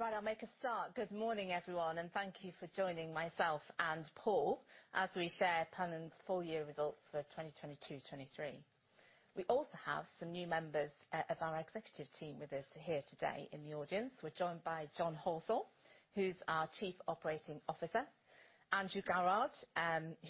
Right, I'll make a start. Good morning, everyone, thank you for joining myself and Paul as we share Pennon's full year results for 2022, 2023. We also have some new members of our executive team with us here today in the audience. We're joined by John Halsall, who's our Chief Operating Officer, Andrew Garard,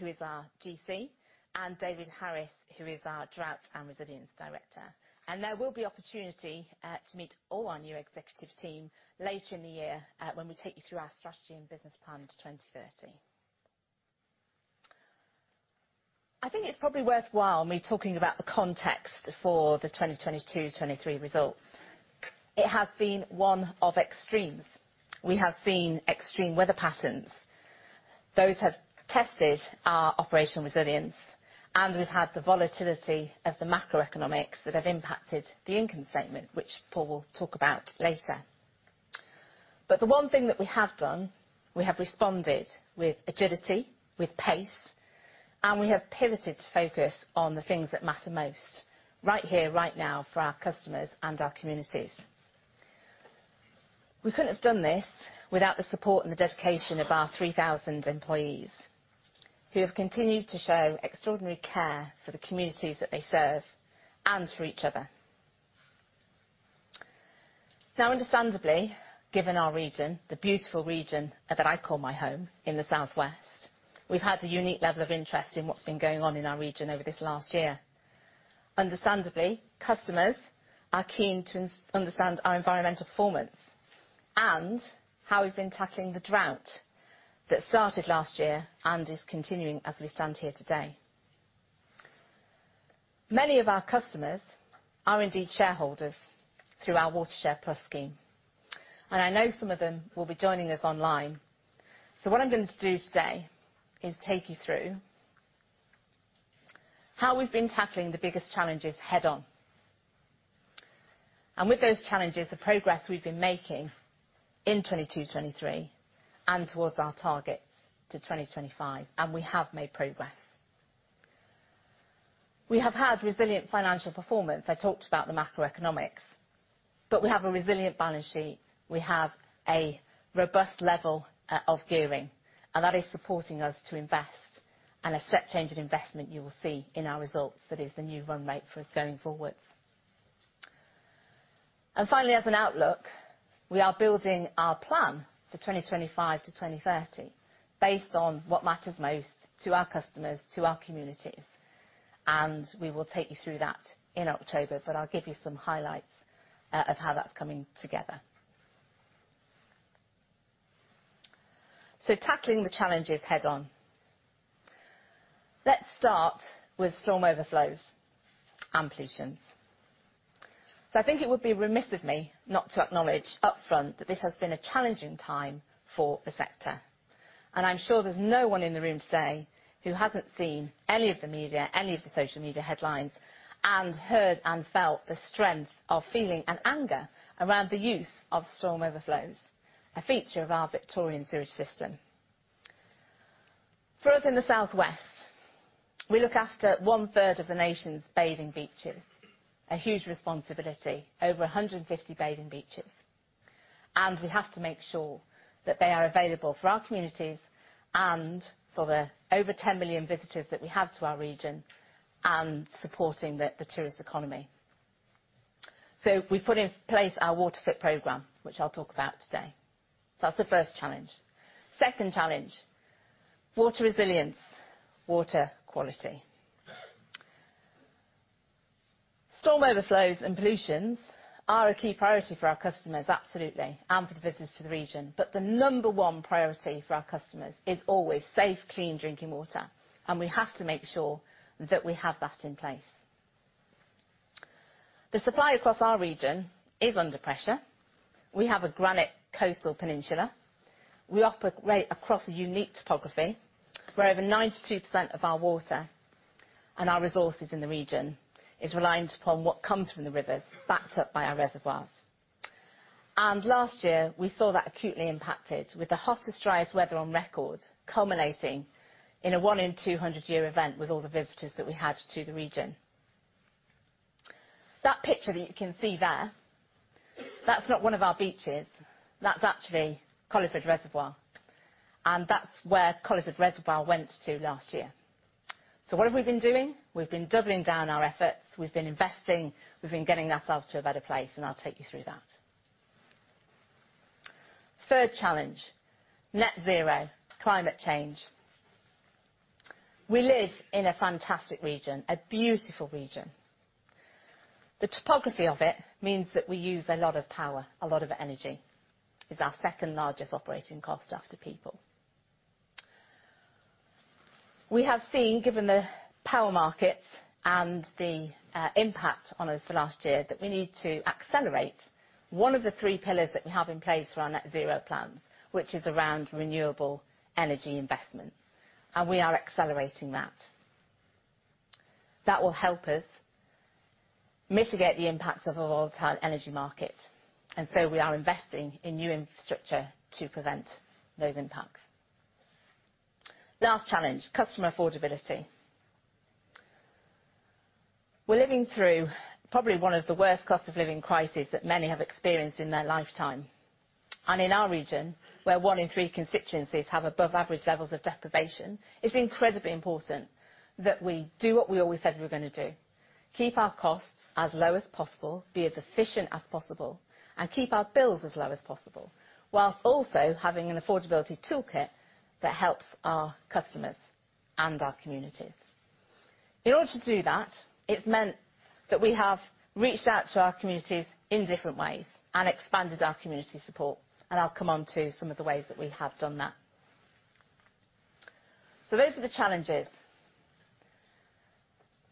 who is our GC, and David Harris, who is our Drought and Resilience Director. There will be opportunity to meet all our new executive team later in the year when we take you through our strategy and business plan to 2030. I think it's probably worthwhile me talking about the context for the 2022, 2023 results. It has been one of extremes. We have seen extreme weather patterns. Those have tested our operational resilience. We've had the volatility of the macroeconomics that have impacted the income statement, which Paul will talk about later. The one thing that we have done, we have responded with agility, with pace, and we have pivoted to focus on the things that matter most, right here, right now, for our customers and our communities. We couldn't have done this without the support and the dedication of our 3,000 employees, who have continued to show extraordinary care for the communities that they serve and for each other. Understandably, given our region, the beautiful region that I call my home in the South West, we've had a unique level of interest in what's been going on in our region over this last year. Understandably, customers are keen to understand our environmental performance, and how we've been tackling the drought that started last year and is continuing as we stand here today. Many of our customers are indeed shareholders through our WaterShare+ scheme. I know some of them will be joining us online. What I'm going to do today is take you through how we've been tackling the biggest challenges head-on. With those challenges, the progress we've been making in 2022, 2023, and towards our targets to 2025. We have made progress. We have had resilient financial performance. I talked about the macroeconomics. We have a resilient balance sheet. We have a robust level of gearing, and that is supporting us to invest. A step change in investment, you will see in our results, that is the new run rate for us going forwards. Finally, as an outlook, we are building our plan for 2025-2030, based on what matters most to our customers, to our communities, and we will take you through that in October, but I'll give you some highlights of how that's coming together. Tackling the challenges head on. Let's start with storm overflows and pollutions. I think it would be remiss of me not to acknowledge upfront that this has been a challenging time for the sector, and I'm sure there's no one in the room today who hasn't seen any of the media, any of the social media headlines, and heard and felt the strength of feeling and anger around the use of storm overflows, a feature of our Victorian sewage system. For us in the South West, we look after 1/3 of the nation's bathing beaches, a huge responsibility, over 150 bathing beaches, and we have to make sure that they are available for our communities and for the over 10 million visitors that we have to our region, and supporting the tourist economy. We've put in place our WaterFit program, which I'll talk about today. That's the first challenge. Second challenge, water resilience, water quality. Storm overflows and pollutions are a key priority for our customers, absolutely, and for the business to the region. The number one priority for our customers is always safe, clean drinking water, and we have to make sure that we have that in place. The supply across our region is under pressure. We have a granite coastal peninsula. We operate across a unique topography, where over 92% of our water and our resources in the region is reliant upon what comes from the rivers, backed up by our reservoirs. Last year, we saw that acutely impacted, with the hottest, driest weather on record, culminating in a one in 200 year event with all the visitors that we had to the region. That picture that you can see there, that's not one of our beaches. That's actually Colliford Reservoir, and that's where Colliford Reservoir went to last year. What have we been doing? We've been doubling down our efforts. We've been investing, we've been getting ourselves to a better place, and I'll take you through that. Third challenge, net zero, climate change. We live in a fantastic region, a beautiful region. The topography of it means that we use a lot of power, a lot of energy. It's our second largest operating cost after people. We have seen, given the power markets and the impact on us for last year, that we need to accelerate one of the three pillars that we have in place for our net zero plans, which is around renewable energy investments, and we are accelerating that. That will help us mitigate the impacts of a volatile energy market. We are investing in new infrastructure to prevent those impacts. Last challenge, customer affordability. We're living through probably one of the worst cost of living crises that many have experienced in their lifetime. In our region, where one in three constituencies have above average levels of deprivation, it's incredibly important that we do what we always said we were gonna do: keep our costs as low as possible, be as efficient as possible, and keep our bills as low as possible, while also having an affordability toolkit that helps our customers and our communities. In order to do that, it's meant that we have reached out to our communities in different ways and expanded our community support. I'll come on to some of the ways that we have done that. Those are the challenges.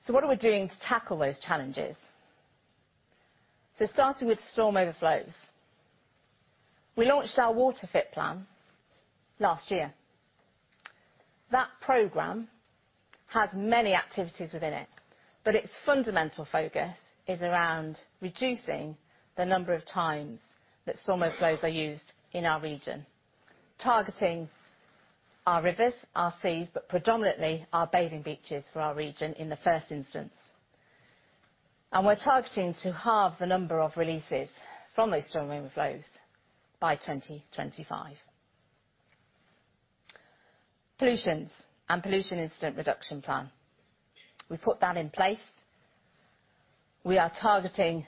What are we doing to tackle those challenges? Starting with storm overflows. We launched our WaterFit plan last year. That program has many activities within it, but its fundamental focus is around reducing the number of times that storm overflows are used in our region, targeting our rivers, our seas, but predominantly our bathing beaches for our region in the first instance. We're targeting to halve the number of releases from those storm overflows by 2025. Pollutions and pollution incident reduction plan. We put that in place. We are targeting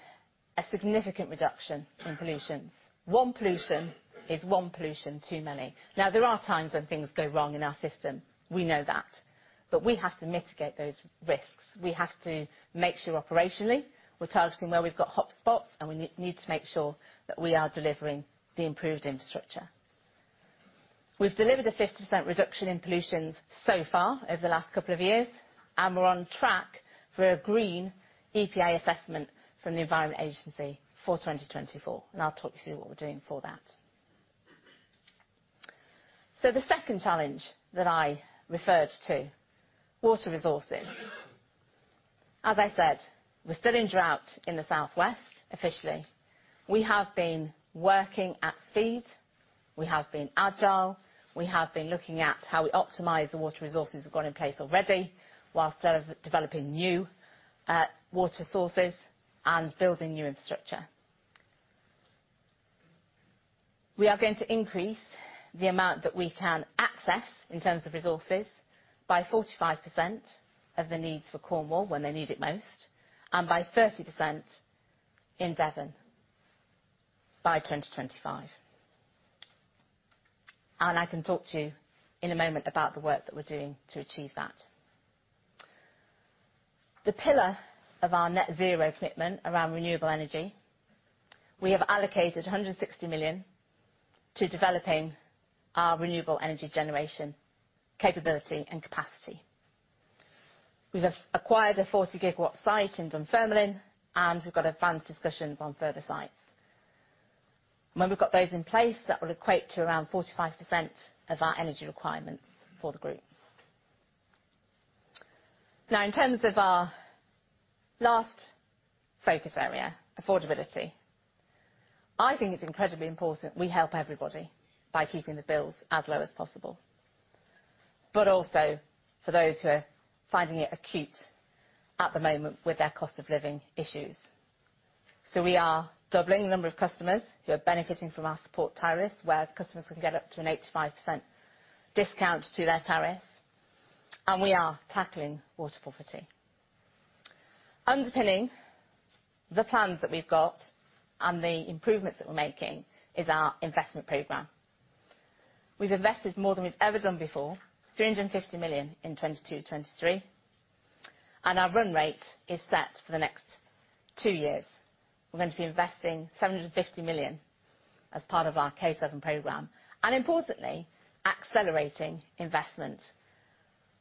a significant reduction in pollutions. One pollution is one pollution too many. There are times when things go wrong in our system. We know that, but we have to mitigate those risks. We have to make sure operationally, we're targeting where we've got hot spots, and we need to make sure that we are delivering the improved infrastructure. We've delivered a 50% reduction in pollutions so far over the last couple of years, and we're on track for a green EPA assessment from the Environment Agency for 2024, and I'll talk to you what we're doing for that. The second challenge that I referred to, water resources. I said, we're still in drought in the southwest, officially. We have been working at speed, we have been agile, we have been looking at how we optimize the water resources we've got in place already, whilst developing new water sources and building new infrastructure. We are going to increase the amount that we can access, in terms of resources, by 45% of the needs for Cornwall when they need it most, and by 30% in Devon by 2025. I can talk to you in a moment about the work that we're doing to achieve that. The pillar of our net zero commitment around renewable energy, we have allocated 160 million to developing our renewable energy generation, capability, and capacity. We've acquired a 40 GW site in Dunfermline, and we've got advanced discussions on further sites. When we've got those in place, that will equate to around 45% of our energy requirements for the group. In terms of our last focus area, affordability, I think it's incredibly important we help everybody by keeping the bills as low as possible, but also for those who are finding it acute at the moment with their cost of living issues. We are doubling the number of customers who are benefiting from our support tariffs, where customers can get up to an 85% discount to their tariffs, and we are tackling water poverty. Underpinning the plans that we've got and the improvements that we're making is our investment program. We've invested more than we've ever done before, 350 million in 2022, 2023, and our run rate is set for the next two years. We're going to be investing 750 million as part of our K7 program, and importantly, accelerating investment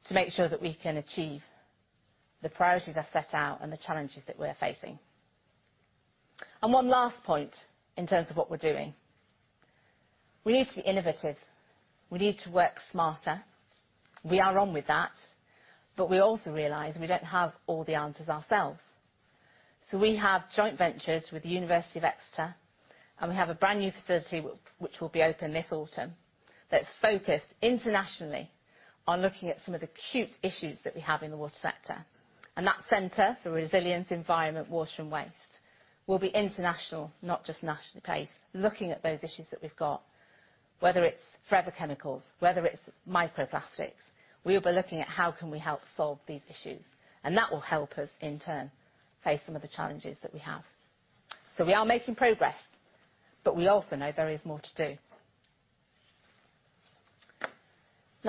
to make sure that we can achieve the priorities I set out and the challenges that we're facing. One last point in terms of what we're doing: We need to be innovative. We need to work smarter. We are on with that, but we also realize we don't have all the answers ourselves. We have joint ventures with the University of Exeter, and we have a brand new facility which will be open this autumn, that's focused internationally on looking at some of the acute issues that we have in the water sector. That Centre for Resilience, Environment, Water and Waste will be international, not just nationally placed, looking at those issues that we've got, whether it's forever chemicals, whether it's microplastics. We'll be looking at how can we help solve these issues, and that will help us, in turn, face some of the challenges that we have. We are making progress, but we also know there is more to do.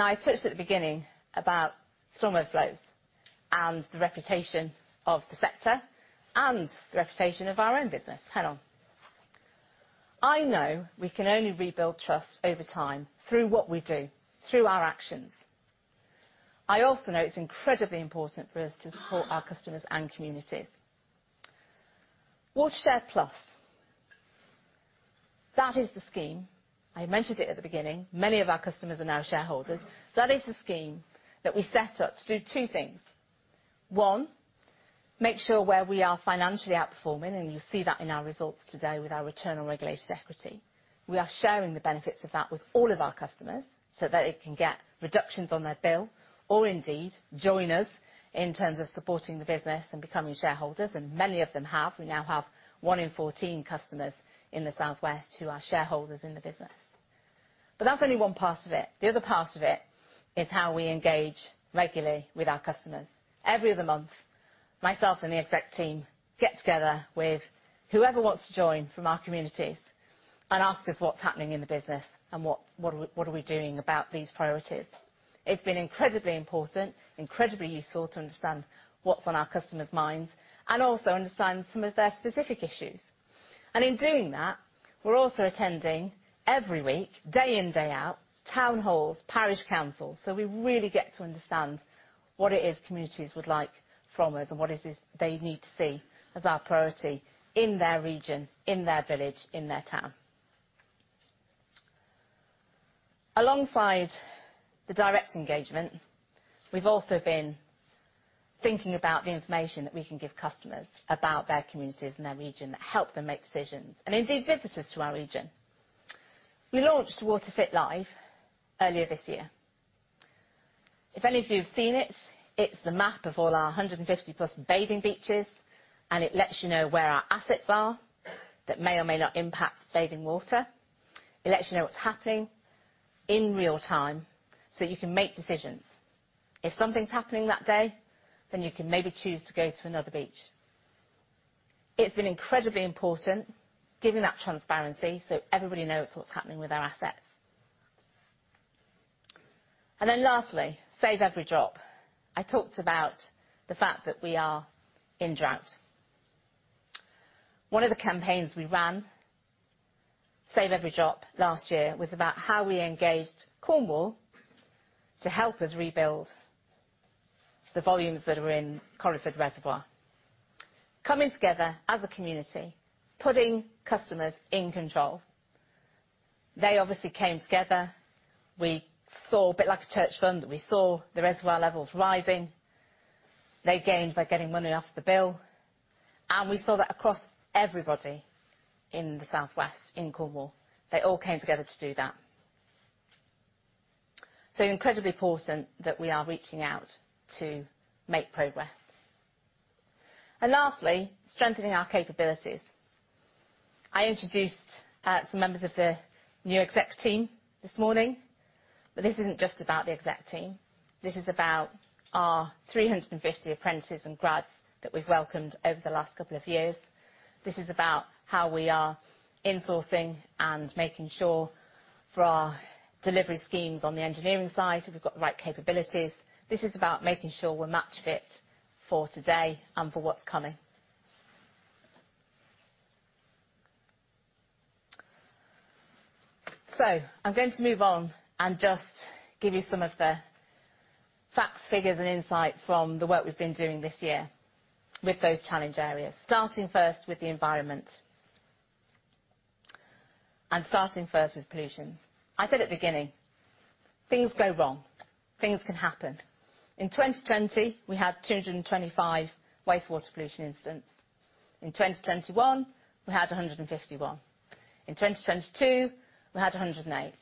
I touched at the beginning about storm overflows and the reputation of the sector and the reputation of our own business, Pennon. I know we can only rebuild trust over time through what we do, through our actions. I also know it's incredibly important for us to support our customers and communities. WaterShare+, that is the scheme, I mentioned it at the beginning, many of our customers are now shareholders. That is the scheme that we set up to do two things. One, make sure where we are financially outperforming, and you'll see that in our results today with our return on regulated equity. We are sharing the benefits of that with all of our customers, so that they can get reductions on their bill, or indeed, join us in terms of supporting the business and becoming shareholders, and many of them have. We now have one in 14 customers in the South West who are shareholders in the business. That's only one part of it. The other part of it is how we engage regularly with our customers. Every other month, myself and the exec team get together with whoever wants to join from our communities and ask us what's happening in the business and what are we doing about these priorities. It's been incredibly important, incredibly useful to understand what's on our customers' minds and also understand some of their specific issues. In doing that, we're also attending, every week, day in, day out, town halls, parish councils, so we really get to understand what it is communities would like from us and what it is they need to see as our priority in their region, in their village, in their town. Alongside the direct engagement, we've also been thinking about the information that we can give customers about their communities and their region, that help them make decisions, and indeed, visitors to our region. We launched WaterFit Live earlier this year. If any of you have seen it's the map of all our 150 plus bathing beaches, and it lets you know where our assets are that may or may not impact bathing water. It lets you know what's happening in real time, so you can make decisions. If something's happening that day, then you can maybe choose to go to another beach. It's been incredibly important giving that transparency so everybody knows what's happening with our assets. Lastly, Save Every Drop. I talked about the fact that we are in drought. One of the campaigns we ran, Save Every Drop, last year, was about how we engaged Cornwall to help us rebuild the volumes that are in Colliford Reservoir. Coming together as a community, putting customers in control. They obviously came together. We saw, a bit like a church fund, we saw the reservoir levels rising. They gained by getting money off the bill, and we saw that across everybody in the South West, in Cornwall. They all came together to do that. Incredibly important that we are reaching out to make progress. Lastly, strengthening our capabilities. I introduced some members of the new exec team this morning, but this isn't just about the exec team. This is about our 350 apprentices and grads that we've welcomed over the last couple of years. This is about how we are in sourcing and making sure for our delivery schemes on the engineering side, that we've got the right capabilities. This is about making sure we're match fit for today and for what's coming. I'm going to move on and just give you some of the facts, figures and insight from the work we've been doing this year with those challenge areas, starting first with the environment. Starting first with pollutions. I said at the beginning, things go wrong, things can happen. In 2020, we had 225 wastewater pollution incidents. In 2021, we had 151. In 2022, we had 108.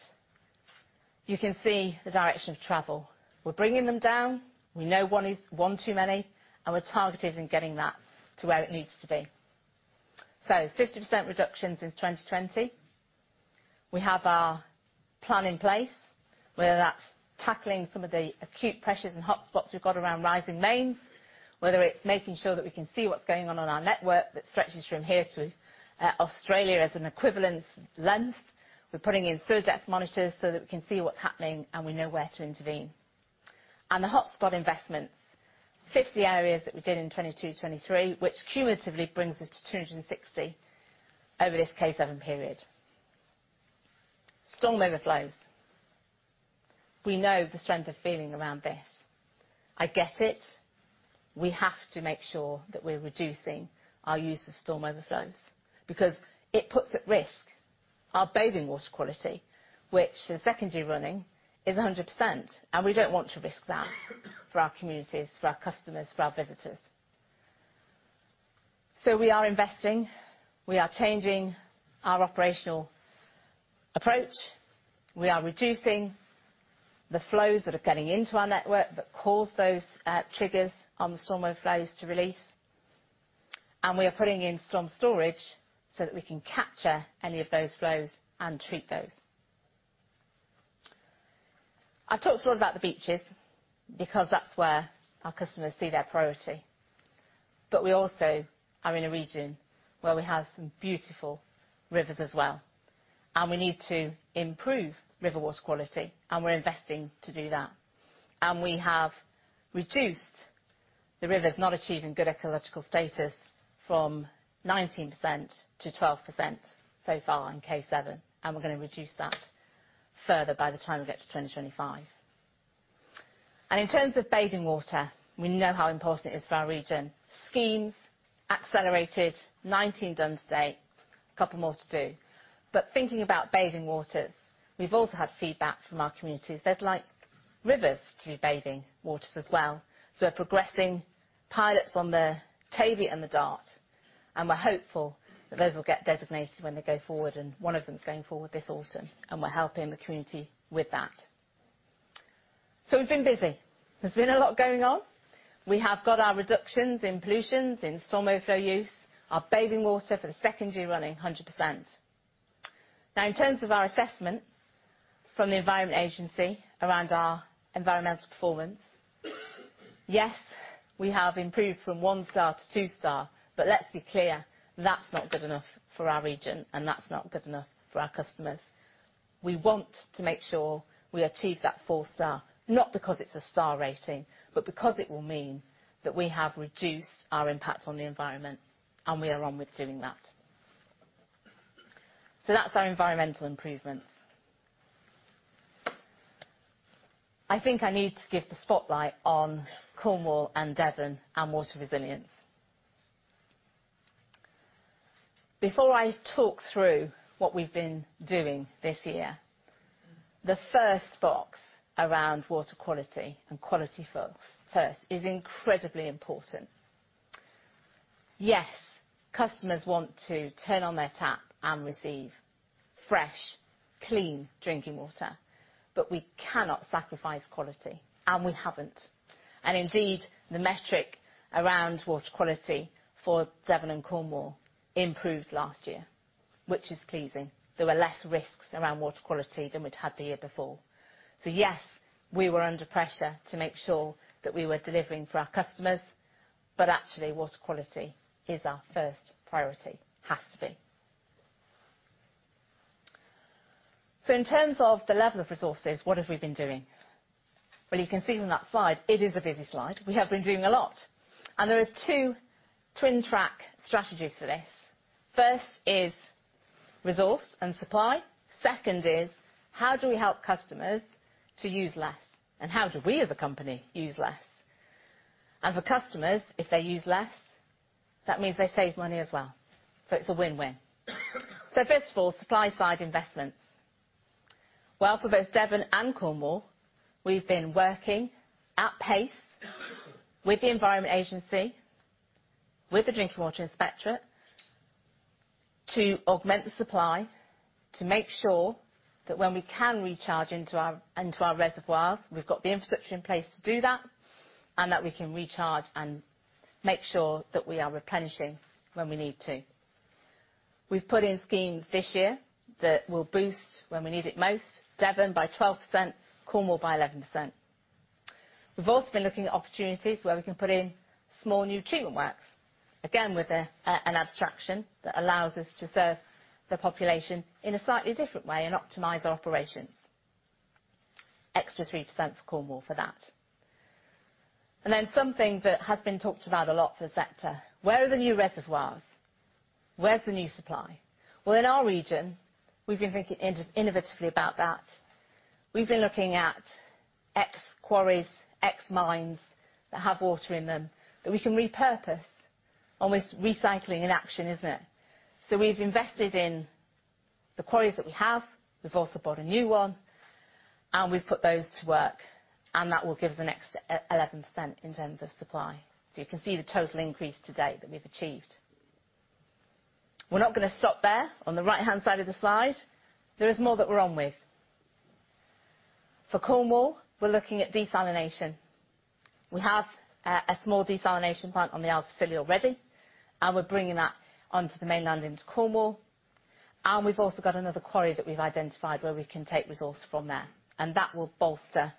You can see the direction of travel. We're bringing them down. We know one is one too many, and we're targeted in getting that to where it needs to be. 50% reduction since 2020. We have our plan in place, whether that's tackling some of the acute pressures and hotspots we've got around rising mains, whether it's making sure that we can see what's going on on our network that stretches from here to Australia as an equivalent length. We're putting in sewer depth monitors so that we can see what's happening, and we know where to intervene. The hotspot investments, 50 areas that we did in 2022, 2023, which cumulatively brings us to 260 over this K7 period. Storm overflows. We know the strength of feeling around this. I get it. We have to make sure that we're reducing our use of storm overflows, because it puts at risk our bathing water quality, which the secondary running is 100%, we don't want to risk that for our communities, for our customers, for our visitors. We are investing, we are changing our operational approach, we are reducing the flows that are getting into our network that cause those triggers on the storm overflows to release, we are putting in storm storage so that we can capture any of those flows and treat those. I've talked a lot about the beaches, because that's where our customers see their priority, we also are in a region where we have some beautiful rivers as well, we need to improve river water quality, we're investing to do that. We have reduced the rivers not achieving good ecological status from 19%-12% so far in K7, and we're gonna reduce that further by the time we get to 2025. In terms of bathing water, we know how important it is for our region. Schemes accelerated, 19 done today, a couple more to do. Thinking about bathing waters, we've also had feedback from our communities. They'd like rivers to be bathing waters as well. We're progressing pilots on the Tavy and the Dart, and we're hopeful that those will get designated when they go forward, and one of them is going forward this autumn, and we're helping the community with that. We've been busy. There's been a lot going on. We have got our reductions in pollutions, in storm overflow use, our bathing water for the second year running, 100%. In terms of our assessment from the Environment Agency around our environmental performance, yes, we have improved from 1-star to 2-star, but let's be clear, that's not good enough for our region, and that's not good enough for our customers. We want to make sure we achieve that 4-star, not because it's a star rating, but because it will mean that we have reduced our impact on the environment, and we are on with doing that. That's our environmental improvements. I think I need to give the spotlight on Cornwall and Devon and water resilience. Before I talk through what we've been doing this year, the first box around water quality and quality first, is incredibly important. Yes, customers want to turn on their tap and receive fresh, clean drinking water, but we cannot sacrifice quality, and we haven't. Indeed, the metric around water quality for Devon and Cornwall improved last year, which is pleasing. There were less risks around water quality than we'd had the year before. Yes, we were under pressure to make sure that we were delivering for our customers, but actually, water quality is our first priority. Has to be. In terms of the level of resources, what have we been doing? Well, you can see from that slide, it is a busy slide. We have been doing a lot, and there are two twin track strategies for this. First is resource and supply. Second is, how do we help customers to use less, and how do we, as a company, use less? For customers, if they use less, that means they save money as well. It's a win-win. First of all, supply side investments. Well, for both Devon and Cornwall, we've been working at pace with the Environment Agency, with the Drinking Water Inspectorate, to augment the supply, to make sure that when we can recharge into our reservoirs, we've got the infrastructure in place to do that, and that we can recharge and make sure that we are replenishing when we need to. We've put in schemes this year that will boost when we need it most, Devon by 12%, Cornwall by 11%. We've also been looking at opportunities where we can put in small new treatment works, again, with an abstraction that allows us to serve the population in a slightly different way and optimize our operations. Extra 3% for Cornwall for that. Something that has been talked about a lot for the sector: Where are the new reservoirs? Where's the new supply? Well, in our region, we've been thinking innovatively about that. We've been looking at ex-quarries, ex-mines that have water in them, that we can repurpose. Almost recycling in action, isn't it? We've invested in the quarries that we have. We've also bought a new one, and we've put those to work, and that will give us an extra 11% in terms of supply. You can see the total increase today that we've achieved. We're not gonna stop there. On the right-hand side of the slide, there is more that we're on with. For Cornwall, we're looking at desalination. We have a small desalination plant on the Isles of Scilly already, and we're bringing that onto the mainland into Cornwall, and we've also got another quarry that we've identified where we can take resource from there, and that will bolster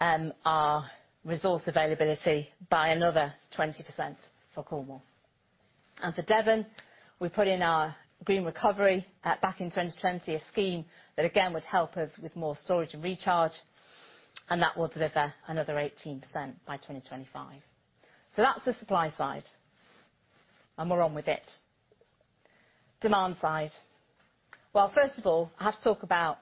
our resource availability by another 20% for Cornwall. For Devon, we put in our Green Recovery back in 2020, a scheme that again, would help us with more storage and recharge, and that will deliver another 18% by 2025. That's the supply side, and we're on with it. Demand side. Well, first of all, I have to talk about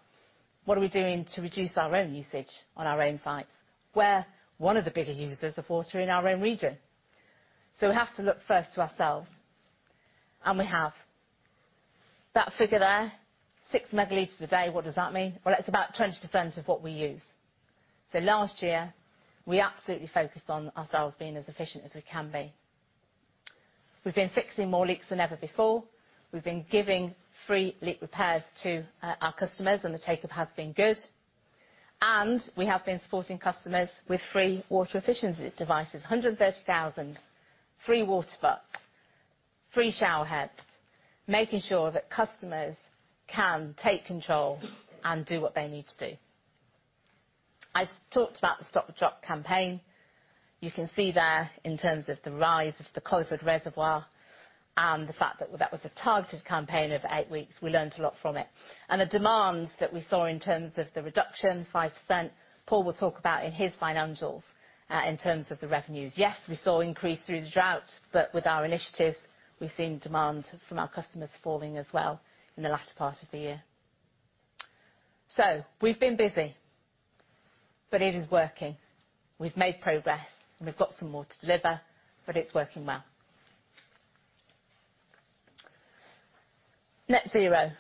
what are we doing to reduce our own usage on our own sites, where one of the bigger users of water in our own region. We have to look first to ourselves, and we have. That figure there, 6 ML a day, what does that mean? It's about 20% of what we use. Last year, we absolutely focused on ourselves being as efficient as we can be. We've been fixing more leaks than ever before. We've been giving free leak repairs to our customers, and the take-up has been good, and we have been supporting customers with free water efficiency devices, 130,000 free water butts, free shower heads, making sure that customers can take control and do what they need to do. I talked about the Stop The Drop campaign. You can see there in terms of the rise of the Colliford Reservoir and the fact that that was a targeted campaign of eight weeks. We learned a lot from it. The demand that we saw in terms of the reduction, 5%, Paul will talk about in his financials in terms of the revenues. Yes, we saw increase through the drought, but with our initiatives, we've seen demand from our customers falling as well in the latter part of the year. We've been busy, but it is working. We've made progress, and we've got some more to deliver, but it's working well. Net zero,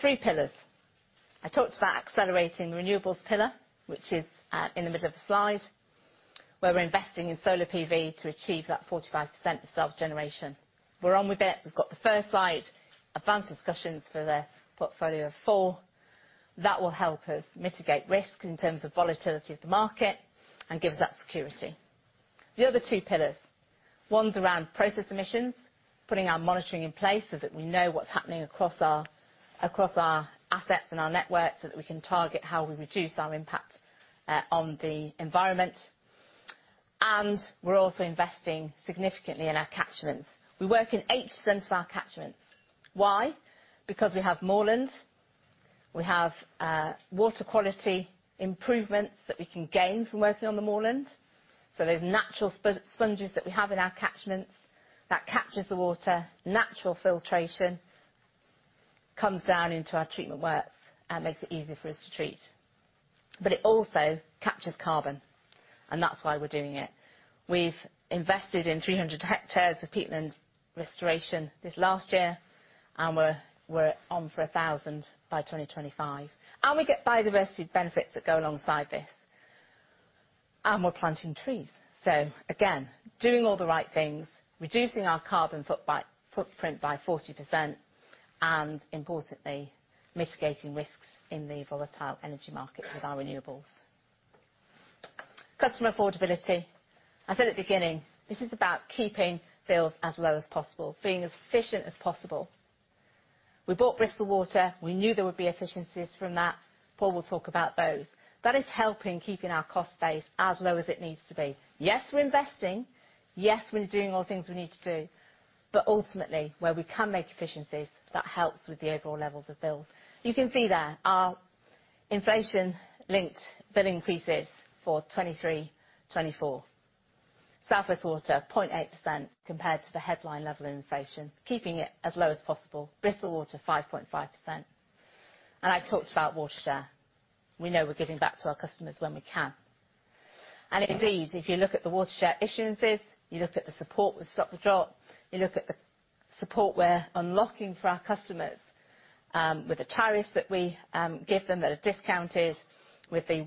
three pillars. I talked about accelerating renewables pillar, which is in the middle of the slide, where we're investing in solar PV to achieve that 45% of self-generation. We're on with it. We've got the first site, advanced discussions for the portfolio of four. That will help us mitigate risk in terms of volatility of the market and give us that security. The other two pillars, one's around process emissions, putting our monitoring in place so that we know what's happening across our assets and our network, so that we can target how we reduce our impact on the environment. We're also investing significantly in our catchments. We work in 80% of our catchments. Why? Because we have moorland, we have water quality improvements that we can gain from working on the moorland. Those natural sponges that we have in our catchments, that captures the water, natural filtration, comes down into our treatment works and makes it easier for us to treat. It also captures carbon, and that's why we're doing it. We've invested in 300 hectares of peatland restoration this last year, and we're on for 1,000 by 2025. We get biodiversity benefits that go alongside this, and we're planting trees. Again, doing all the right things, reducing our carbon footprint by 40%, and importantly, mitigating risks in the volatile energy market with our renewables. Customer affordability. I said at the beginning, this is about keeping bills as low as possible, being as efficient as possible. We bought Bristol Water, we knew there would be efficiencies from that. Paul will talk about those. That is helping keeping our cost base as low as it needs to be. Yes, we're investing, yes, we're doing all the things we need to do, but ultimately, where we can make efficiencies, that helps with the overall levels of bills. You can see there our inflation-linked bill increases for 2023, 2024. South West Water, 0.8% compared to the headline level inflation, keeping it as low as possible. Bristol Water, 5.5%. I talked about WaterShare. We know we're giving back to our customers when we can. Indeed, if you look at the WaterShare issuances, you look at the support with Stop the Drop, you look at the support we're unlocking for our customers, with the tariffs that we give them that are discounted, with the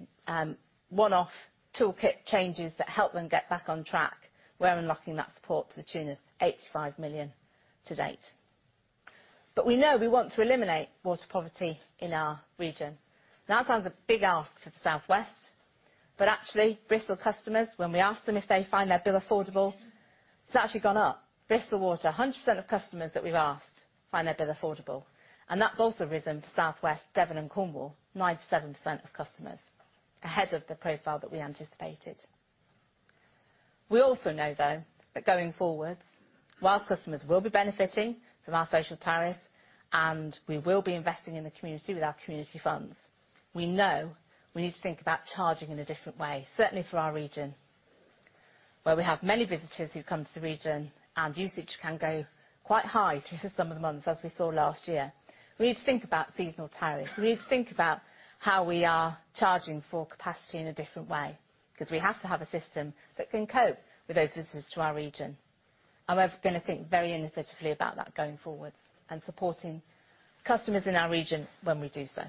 one-off toolkit changes that help them get back on track, we're unlocking that support to the tune of 85 million to date. We know we want to eliminate water poverty in our region. That sounds a big ask for the South West, but actually, Bristol customers, when we ask them if they find their bill affordable, it's actually gone up. Bristol Water, 100% of customers that we've asked find their bill affordable. That's also risen for South West, Devon, and Cornwall, 97% of customers, ahead of the profile that we anticipated. We also know, though, that going forward, while customers will be benefiting from our social tariffs, and we will be investing in the community with our community funds, we know we need to think about charging in a different way, certainly for our region, where we have many visitors who come to the region and usage can go quite high through some of the months, as we saw last year. We need to think about seasonal tariffs. We need to think about how we are charging for capacity in a different way, 'cause we have to have a system that can cope with those visitors to our region. We're gonna think very initiatively about that going forward and supporting customers in our region when we do so.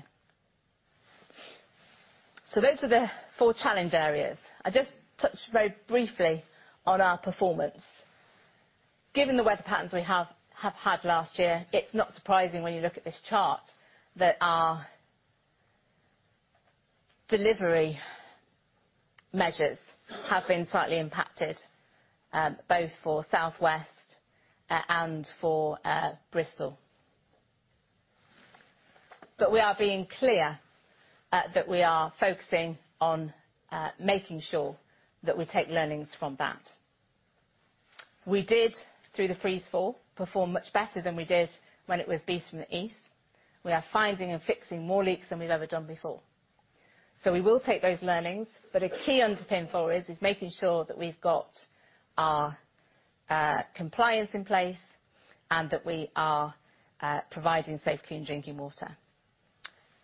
Those are the four challenge areas. I just touched very briefly on our performance. Given the weather patterns we have had last year, it's not surprising when you look at this chart that our delivery measures have been slightly impacted, both for South West, and for Bristol. We are being clear that we are focusing on making sure that we take learnings from that. We did, through the freeze-thaw, perform much better than we did when it was Beast from the East. We are finding and fixing more leaks than we've ever done before. We will take those learnings, but a key underpinning for it is making sure that we've got our compliance in place and that we are providing safety and drinking water.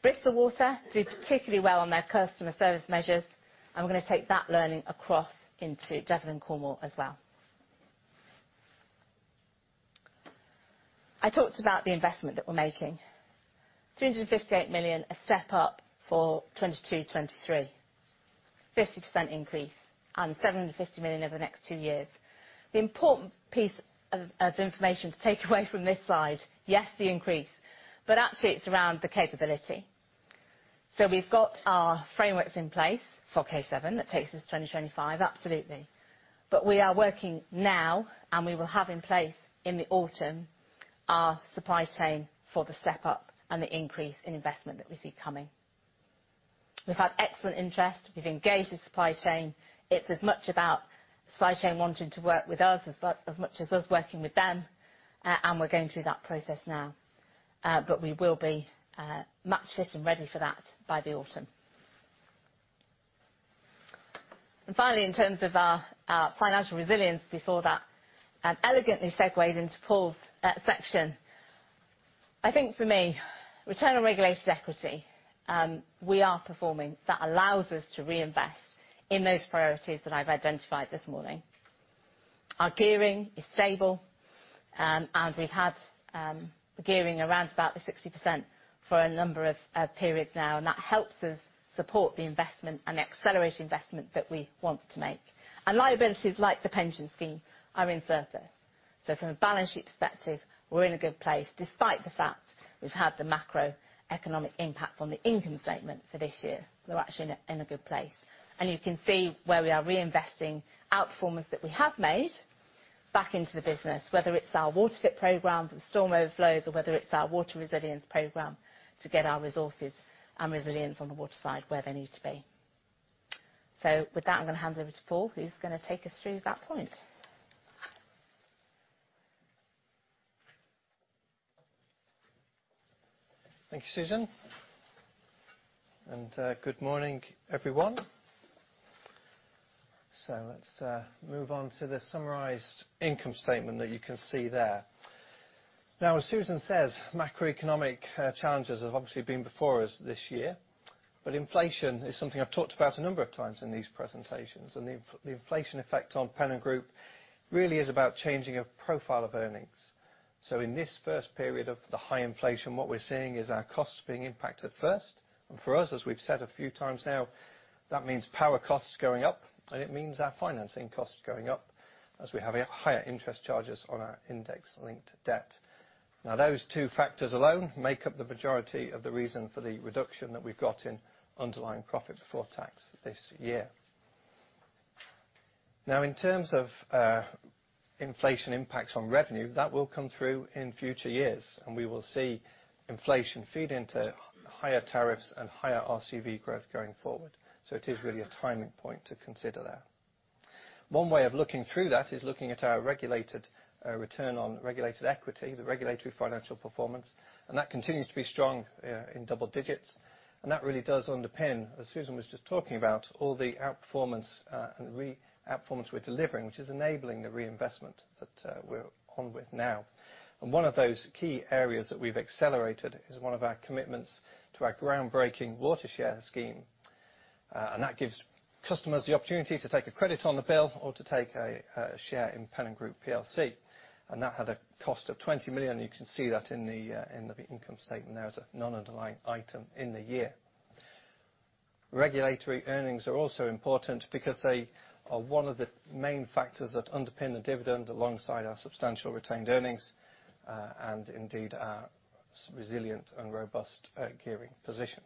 Bristol Water do particularly well on their customer service measures. We're gonna take that learning across into Devon and Cornwall as well. I talked about the investment that we're making. 358 million, a step up for 2022, 2023, 50% increase. 750 million over the next two years. The important piece of information to take away from this slide, yes, the increase. Actually, it's around the capability. We've got our frameworks in place for K7, that takes us to 2025, absolutely. We are working now, and we will have in place in the autumn, our supply chain for the step up and the increase in investment that we see coming. We've had excellent interest, we've engaged the supply chain. It's as much about supply chain wanting to work with us as much as us working with them, and we're going through that process now. We will be much fit and ready for that by the autumn. Finally, in terms of our financial resilience before that, elegantly segues into Paul's section. I think for me, return on regulated equity, we are performing. That allows us to reinvest in those priorities that I've identified this morning. Our gearing is stable, and we've had the gearing around about the 60% for a number of periods now, and that helps us support the investment and accelerate investment that we want to make. Liabilities, like the pension scheme, are in surplus. From a balance sheet perspective, we're in a good place. Despite the fact we've had the macroeconomic impact on the income statement for this year, we're actually in a good place. You can see where we are reinvesting outperformance that we have made back into the business, whether it's our WaterFit program for storm overflows, or whether it's our water resilience program to get our resources and resilience on the water side where they need to be. With that, I'm gonna hand over to Paul, who's gonna take us through that point. Thank you, Susan. Good morning, everyone. Let's move on to the summarized income statement that you can see there. As Susan says, macroeconomic challenges have obviously been before us this year, but inflation is something I've talked about a number of times in these presentations, and the inflation effect on Pennon Group really is about changing a profile of earnings. In this first period of the high inflation, what we're seeing is our costs being impacted first, and for us, as we've said a few times now, that means power costs going up, and it means our financing costs going up as we have higher interest charges on our index-linked debt. Those two factors alone make up the majority of the reason for the reduction that we've got in underlying profit before tax this year. In terms of inflation impacts on revenue, that will come through in future years, and we will see inflation feed into higher tariffs and higher RCV growth going forward. It is really a timing point to consider there. One way of looking through that is looking at our regulated return on regulated equity, the regulatory financial performance, and that continues to be strong in double digits. That really does underpin, as Susan was just talking about, all the outperformance and re-outperformance we're delivering, which is enabling the reinvestment that we're on with now. One of those key areas that we've accelerated is one of our commitments to our groundbreaking WaterShare scheme. That gives customers the opportunity to take a credit on the bill or to take a share in Pennon Group plc, and that had a cost of 20 million. You can see that in the income statement there as a non-underlying item in the year. Regulatory earnings are also important because they are one of the main factors that underpin the dividend alongside our substantial retained earnings, and indeed, our resilient and robust gearing position.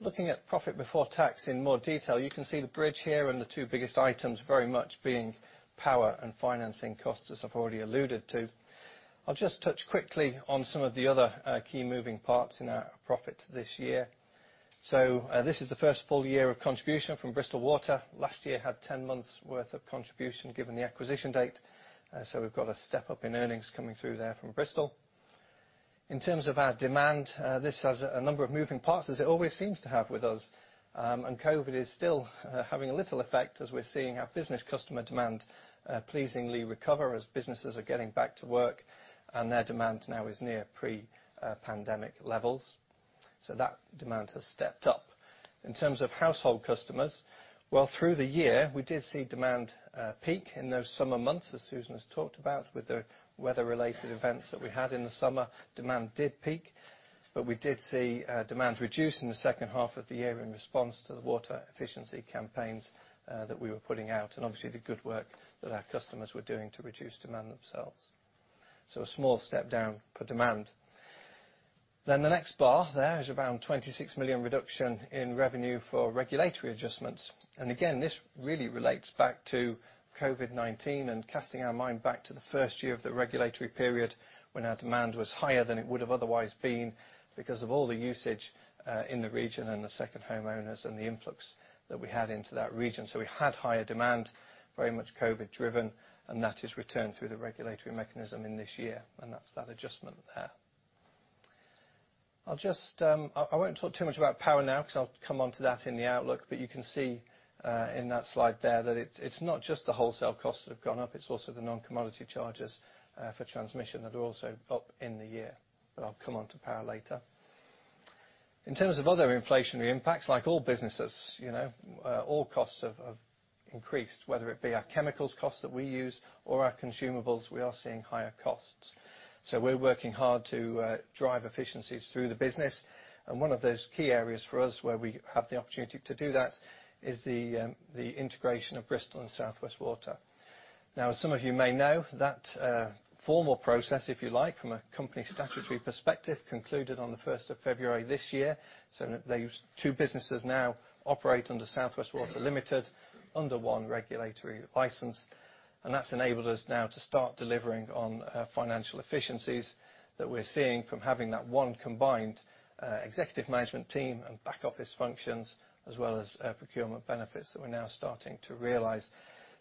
Looking at profit before tax in more detail, you can see the bridge here, and the two biggest items very much being power and financing costs, as I've already alluded to. I'll just touch quickly on some of the other key moving parts in our profit this year. This is the first full year of contribution from Bristol Water. Last year had 10 months worth of contribution, given the acquisition date, so we've got a step-up in earnings coming through there from Bristol. In terms of our demand, this has a number of moving parts, as it always seems to have with us. COVID is still having a little effect as we're seeing our business customer demand, pleasingly recover as businesses are getting back to work, and their demand now is near pre, pandemic levels. That demand has stepped up. In terms of household customers, well, through the year, we did see demand peak in those summer months, as Susan has talked about. With the weather-related events that we had in the summer, demand did peak, but we did see, demand reduce in the second half of the year in response to the water efficiency campaigns that we were putting out and, obviously, the good work that our customers were doing to reduce demand themselves. A small step down for demand. The next bar there is around 26 million reduction in revenue for regulatory adjustments. Again, this really relates back to COVID-19 and casting our mind back to the first year of the regulatory period, when our demand was higher than it would have otherwise been because of all the usage in the region and the second homeowners and the influx that we had into that region. We had higher demand, very much COVID-driven, and that has returned through the regulatory mechanism in this year, and that's that adjustment there. I won't talk too much about power now, 'cause I'll come on to that in the outlook, but you can see in that slide there that it's not just the wholesale costs that have gone up, it's also the non-commodity charges for transmission that are also up in the year. I'll come on to power later. In terms of other inflationary impacts, like all businesses, you know, all costs have increased, whether it be our chemicals costs that we use or our consumables, we are seeing higher costs. We're working hard to drive efficiencies through the business. One of those key areas for us where we have the opportunity to do that is the integration of Bristol and South West Water. As some of you may know, that formal process, if you like, from a company statutory perspective, concluded on the February 1st, this year, so that these two businesses now operate under South West Water Limited, under one regulatory license. That's enabled us now to start delivering on financial efficiencies that we're seeing from having that one combined executive management team and back office functions, as well as procurement benefits that we're now starting to realize.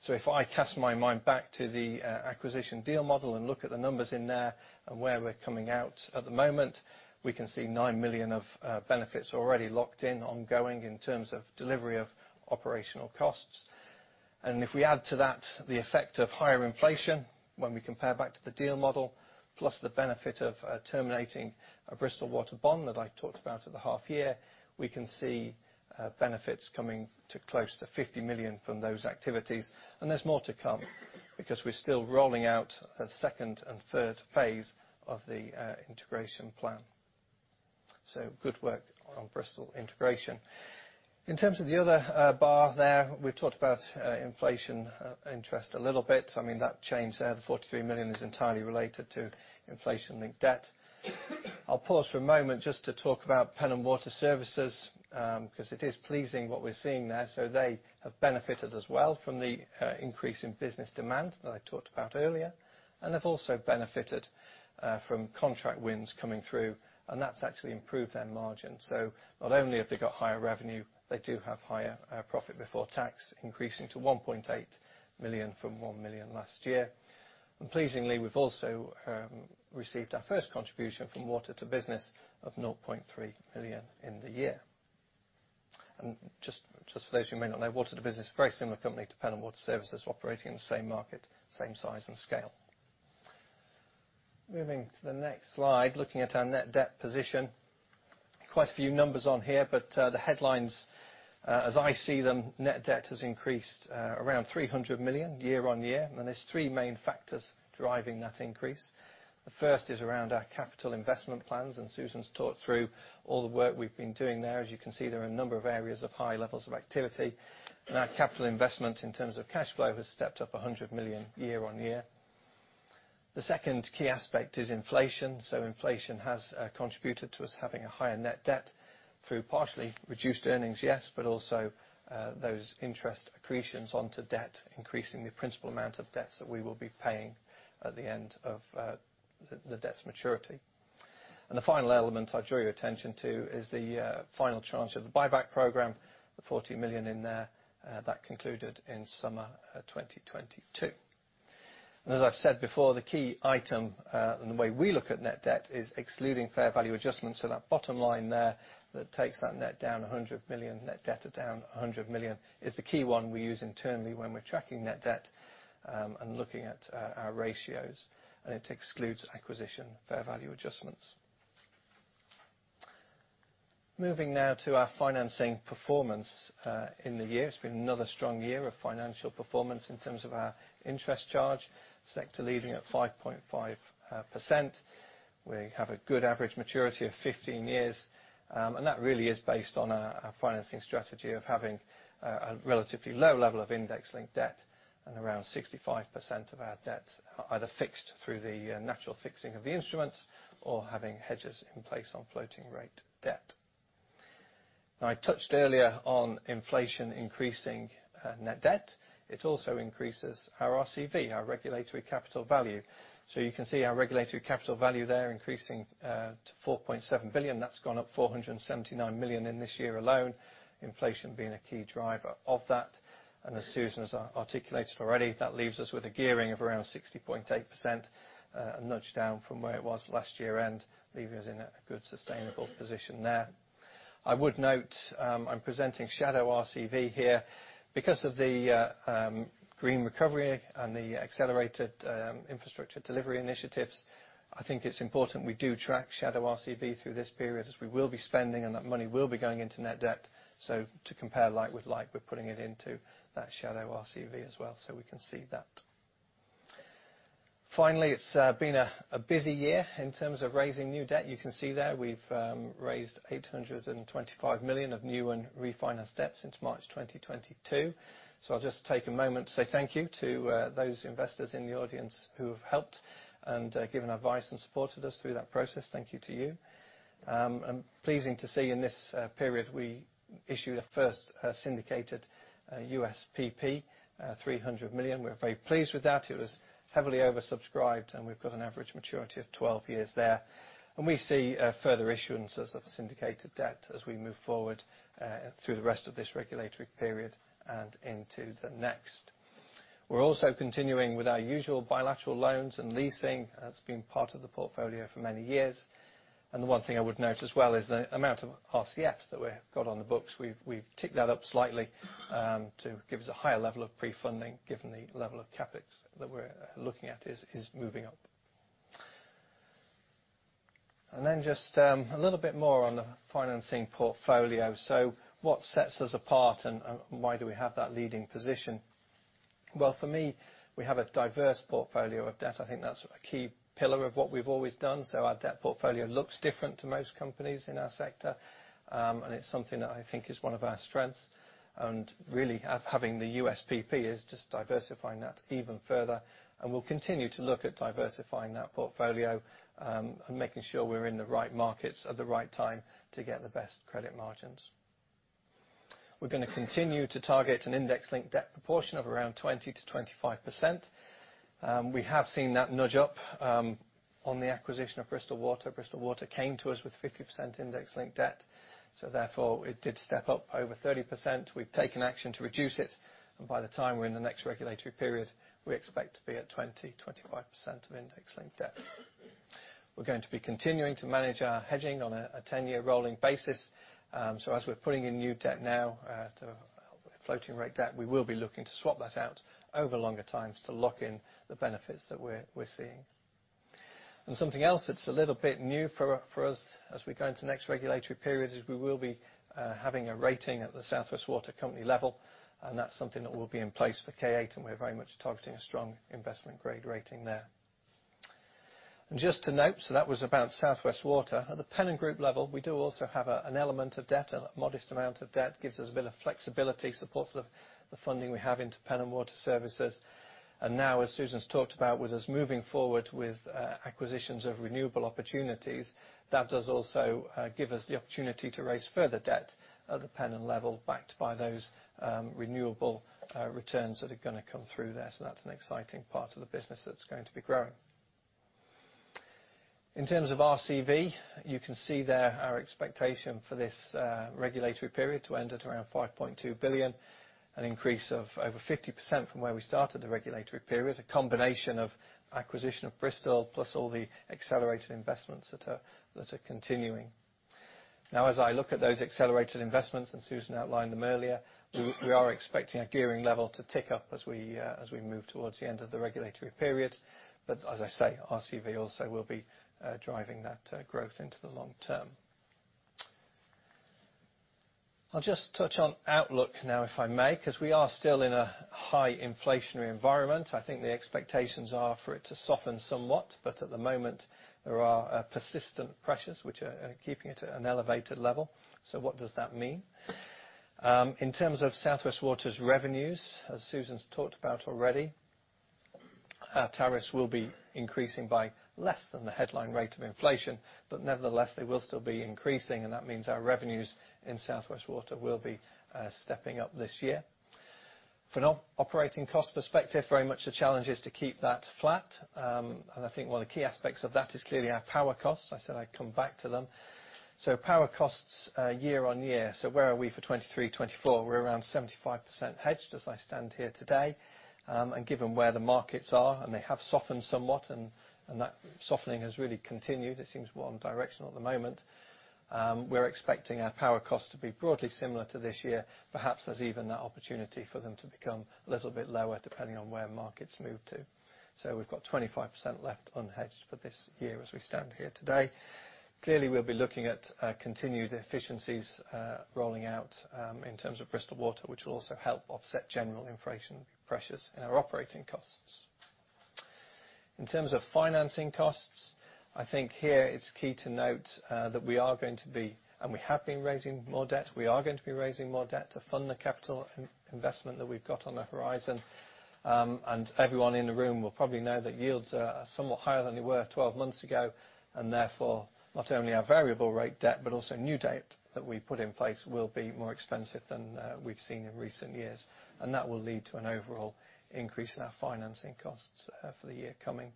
If I cast my mind back to the acquisition deal model and look at the numbers in there and where we're coming out at the moment, we can see 9 million of benefits already locked in, ongoing, in terms of delivery of operational costs. If we add to that the effect of higher inflation when we compare back to the deal model, plus the benefit of terminating a Bristol Water bond that I talked about at the half year, we can see benefits coming to close to 50 million from those activities. There's more to come, because we're still rolling out a second and third phase of the integration plan. Good work on Bristol integration. In terms of the other bar there, we've talked about inflation, interest a little bit. I mean, that change there, the 43 million, is entirely related to inflation-linked debt. I'll pause for a moment just to talk about Pennon Water Services, because it is pleasing what we're seeing there. They have benefited as well from the increase in business demand that I talked about earlier, and they've also benefited from contract wins coming through, and that's actually improved their margin. Not only have they got higher revenue, they do have higher profit before tax, increasing to 1.8 million from 1 million last year. Pleasingly, we've also received our first contribution from water2business of 0.3 million in the year. Just for those who may not know, water2business, a very similar company to Pennon Water Services, operating in the same market, same size and scale. Moving to the next slide, looking at our net debt position. Quite a few numbers on here, but the headlines, as I see them, net debt has increased around 300 million year-on-year. There's three main factors driving that increase. The first is around our capital investment plans. Susan's talked through all the work we've been doing there. As you can see, there are a number of areas of high levels of activity. Our capital investment, in terms of cash flow, has stepped up 100 million year-on-year. The second key aspect is inflation. Inflation has contributed to us having a higher net debt through partially reduced earnings, yes, but also those interest accretions onto debt, increasing the principal amount of debts that we will be paying at the end of the debt's maturity. The final element I draw your attention to is the final tranche of the buyback program, the 40 million in there, that concluded in summer 2022. As I've said before, the key item, and the way we look at net debt is excluding fair value adjustments, so that bottom line there, that takes that net down 100 million, net debt down 100 million, is the key one we use internally when we're tracking net debt, and looking at our ratios, and it excludes acquisition fair value adjustments. Moving now to our financing performance in the year. It's been another strong year of financial performance in terms of our interest charge, sector leading at 5.5%. We have a good average maturity of 15 years, that really is based on our financing strategy of having a relatively low level of index-linked debt and around 65% of our debt either fixed through the natural fixing of the instruments or having hedges in place on floating rate debt. I touched earlier on inflation increasing net debt. It also increases our RCV, our regulatory capital value. You can see our regulatory capital value there increasing to 4.7 billion. That's gone up 479 million in this year alone, inflation being a key driver of that. As Susan has articulated already, that leaves us with a gearing of around 60.8%, a nudge down from where it was last year, leaving us in a good, sustainable position there. I would note, I'm presenting shadow RCV here. Because of the Green Recovery and the accelerated infrastructure delivery initiatives, I think it's important we do track shadow RCV through this period, as we will be spending, and that money will be going into net debt. To compare like with like, we're putting it into that shadow RCV as well, so we can see that. Finally, it's been a busy year in terms of raising new debt. You can see there, we've raised 825 million of new and refinanced debt since March, 2022. I'll just take a moment to say thank you to those investors in the audience who have helped and given advice and supported us through that process. Thank you to you. Pleasing to see in this period, we issued a first syndicated USPP, 300 million. We're very pleased with that. It was heavily oversubscribed. We've got an average maturity of 12 years there. We see further issuances of syndicated debt as we move forward through the rest of this regulatory period and into the next. We're also continuing with our usual bilateral loans and leasing. That's been part of the portfolio for many years. The one thing I would note as well is the amount of RCFs that we've got on the books. We've ticked that up slightly to give us a higher level of pre-funding, given the level of CapEx that we're looking at is moving up. Just a little bit more on the financing portfolio. What sets us apart, and why do we have that leading position? Well, for me, we have a diverse portfolio of debt. I think that's a key pillar of what we've always done. Our debt portfolio looks different to most companies in our sector, and it's something that I think is one of our strengths. Really, having the USPP is just diversifying that even further, and we'll continue to look at diversifying that portfolio, and making sure we're in the right markets at the right time to get the best credit margins. We're gonna continue to target an index-linked debt proportion of around 20%-25%. We have seen that nudge up on the acquisition of Bristol Water. Bristol Water came to us with 50% index-linked debt, so therefore, it did step up over 30%. We've taken action to reduce it. By the time we're in the next regulatory period, we expect to be at 20%-25% of index-linked debt. We're going to be continuing to manage our hedging on a 10-year rolling basis. As we're putting in new debt now, to floating rate debt, we will be looking to swap that out over longer times to lock in the benefits that we're seeing. Something else that's a little bit new for us as we go into the next regulatory period, is we will be having a rating at the South West Water company level, and that's something that will be in place for K8. We're very much targeting a strong investment grade rating there. Just to note, that was about South West Water. At the Pennon Group level, we do also have an element of debt, a modest amount of debt. Gives us a bit of flexibility, supports the funding we have into Pennon Water Services. Now, as Susan's talked about, with us moving forward with acquisitions of renewable opportunities, that does also give us the opportunity to raise further debt at the Pennon level, backed by those renewable returns that are gonna come through there. That's an exciting part of the business that's going to be growing. In terms of RCV, you can see there our expectation for this regulatory period to end at around 5.2 billion, an increase of over 50% from where we started the regulatory period. A combination of acquisition of Bristol, plus all the accelerated investments that are continuing. As I look at those accelerated investments, and Susan outlined them earlier, we are expecting our gearing level to tick up as we move towards the end of the regulatory period. As I say, RCV also will be driving that growth into the long term. I'll just touch on outlook now, if I may, 'cause we are still in a high inflationary environment. I think the expectations are for it to soften somewhat, but at the moment there are persistent pressures which are keeping it at an elevated level. What does that mean? In terms of South West Water's revenues, as Susan's talked about already, our tariffs will be increasing by less than the headline rate of inflation, but nevertheless, they will still be increasing, and that means our revenues in South West Water will be stepping up this year. From an operating cost perspective, very much the challenge is to keep that flat. And I think one of the key aspects of that is clearly our power costs. I said I'd come back to them. Power costs, year-on-year, where are we for 2023, 2024? We're around 75% hedged as I stand here today. And given where the markets are, and they have softened somewhat, and that softening has really continued, it seems one directional at the moment. We're expecting our power costs to be broadly similar to this year. Perhaps there's even that opportunity for them to become a little bit lower, depending on where markets move to. We've got 25% left unhedged for this year as we stand here today. Clearly, we'll be looking at continued efficiencies rolling out in terms of Bristol Water, which will also help offset general inflation pressures in our operating costs. In terms of financing costs, I think here it's key to note that we have been raising more debt. We are going to be raising more debt to fund the capital investment that we've got on the horizon. Everyone in the room will probably know that yields are somewhat higher than they were 12 months ago, and therefore, not only our variable rate debt, but also new debt that we put in place, will be more expensive than we've seen in recent years. That will lead to an overall increase in our financing costs for the year coming.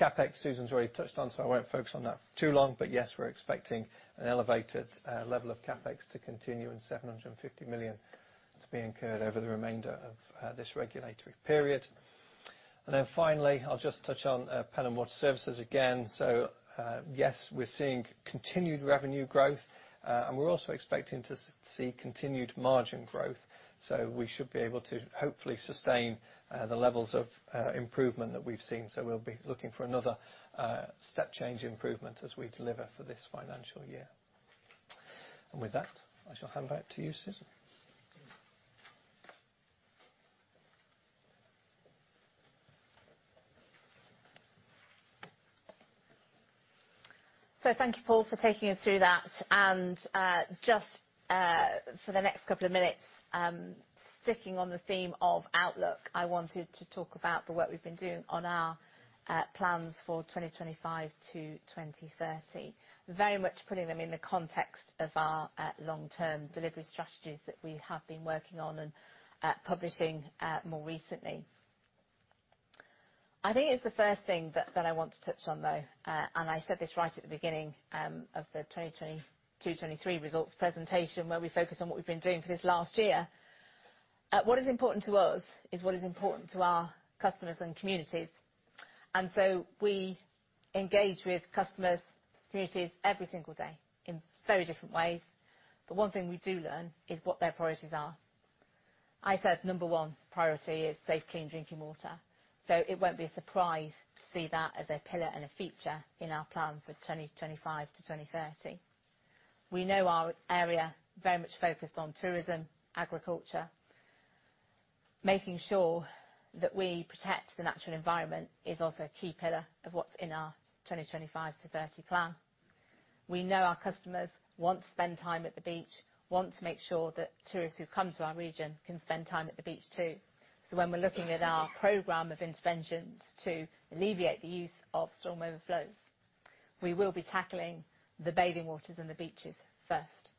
CapEx, Susan's already touched on, so I won't focus on that too long, but yes, we're expecting an elevated level of CapEx to continue, and 750 million to be incurred over the remainder of this regulatory period. Finally, I'll just touch on Pennon Water Services again. Yes, we're seeing continued revenue growth, and we're also expecting to see continued margin growth. We should be able to hopefully sustain the levels of improvement that we've seen. We'll be looking for another step-change improvement as we deliver for this financial year. With that, I shall hand back to you, Susan. Thank you, Paul, for taking us through that. Just for the next couple of minutes, sticking on the theme of outlook, I wanted to talk about the work we've been doing on our plans for 2025-2030. Very much putting them in the context of our long-term delivery strategies that we have been working on and publishing more recently. I think it's the first thing that I want to touch on, though, and I said this right at the beginning of the 2022-2023 results presentation, where we focused on what we've been doing for this last year. What is important to us is what is important to our customers and communities, and so we engage with customers, communities, every single day in very different ways. One thing we do learn is what their priorities are. I said number one priority is safe, clean drinking water, so it won't be a surprise to see that as a pillar and a feature in our plan for 2025-2030. We know our area very much focused on tourism, agriculture. Making sure that we protect the natural environment is also a key pillar of what's in our 2025-2030 plan. We know our customers want to spend time at the beach, want to make sure that tourists who come to our region can spend time at the beach, too. When we're looking at our program of interventions to alleviate the use of storm overflows, we will be tackling the bathing waters and the beaches first.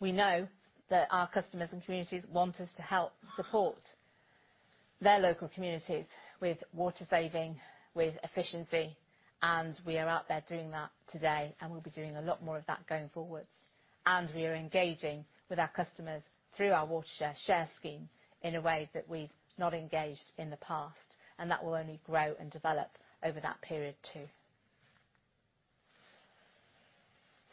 We know that our customers and communities want us to help support their local communities with water saving, with efficiency. We are out there doing that today, and we'll be doing a lot more of that going forward. We are engaging with our customers through our WaterShare+ scheme in a way that we've not engaged in the past, and that will only grow and develop over that period, too.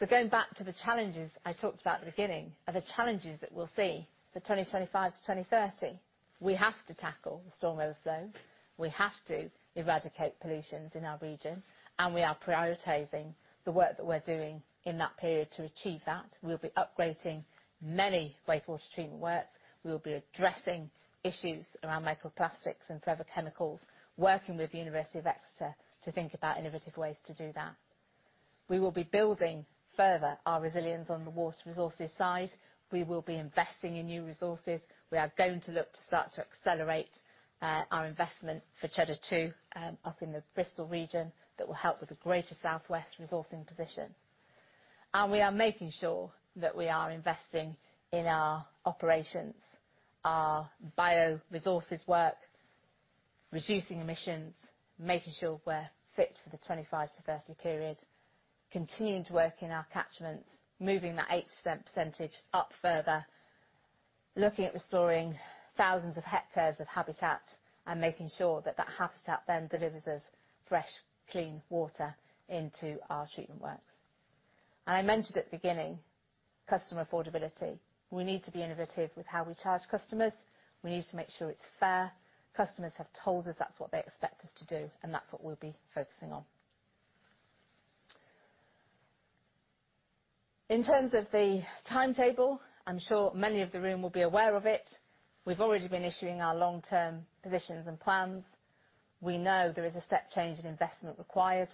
Going back to the challenges I talked about at the beginning, are the challenges that we'll see for 2025-2030. We have to tackle the storm overflow, we have to eradicate pollutions in our region, and we are prioritizing the work that we're doing in that period to achieve that. We'll be upgrading many wastewater treatment works. We will be addressing issues around microplastics and forever chemicals, working with the University of Exeter to think about innovative ways to do that. We will be building further our resilience on the water resources side. We will be investing in new resources. We are going to look to start to accelerate our investment for Cheddar 2 up in the Bristol region. That will help with the Greater South West resourcing position. We are making sure that we are investing in our operations, our bioresources work, reducing emissions, making sure we're fit for the 2025-2030 period, continuing to work in our catchments, moving that 80% up further, looking at restoring thousands of hectares of habitat, and making sure that that habitat then delivers us fresh, clean water into our treatment works. I mentioned at the beginning, customer affordability. We need to be innovative with how we charge customers. We need to make sure it's fair. Customers have told us that's what they expect us to do, and that's what we'll be focusing on. In terms of the timetable, I'm sure many of the room will be aware of it. We've already been issuing our long-term positions and plans. We know there is a step change in investment required.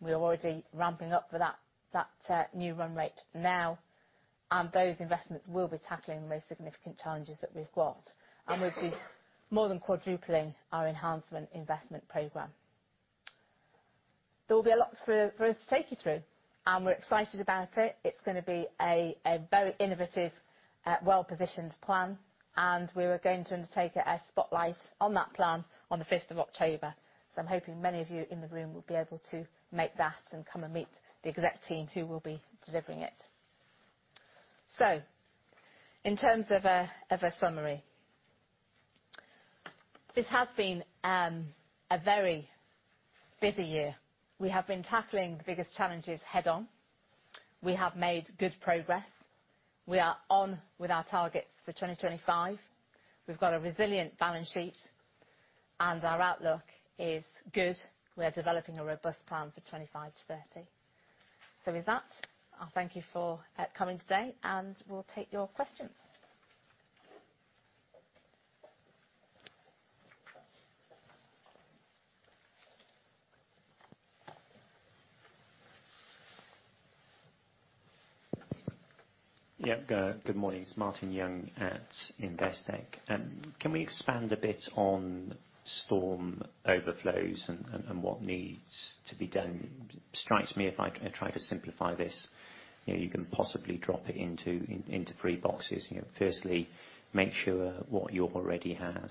We're already ramping up for that new run rate now, and those investments will be tackling the most significant challenges that we've got. We'll be more than quadrupling our enhancement investment program. There will be a lot for us to take you through, and we're excited about it. It's gonna be a very innovative, well-positioned plan, and we are going to undertake a spotlight on that plan on the October 5th. I'm hoping many of you in the room will be able to make that and come and meet the exec team who will be delivering it. In terms of a, of a summary, this has been a very busy year. We have been tackling the biggest challenges head-on. We have made good progress. We are on with our targets for 2025. We've got a resilient balance sheet, and our outlook is good. We are developing a robust plan for 2025-2030. With that, I'll thank you for coming today, and we'll take your questions. Yeah, good morning. It's Martin Young at Investec. Can we expand a bit on storm overflows and, what needs to be done? Strikes me, if I try to simplify this, you know, you can possibly drop it into three boxes. You know, firstly, make sure what you already has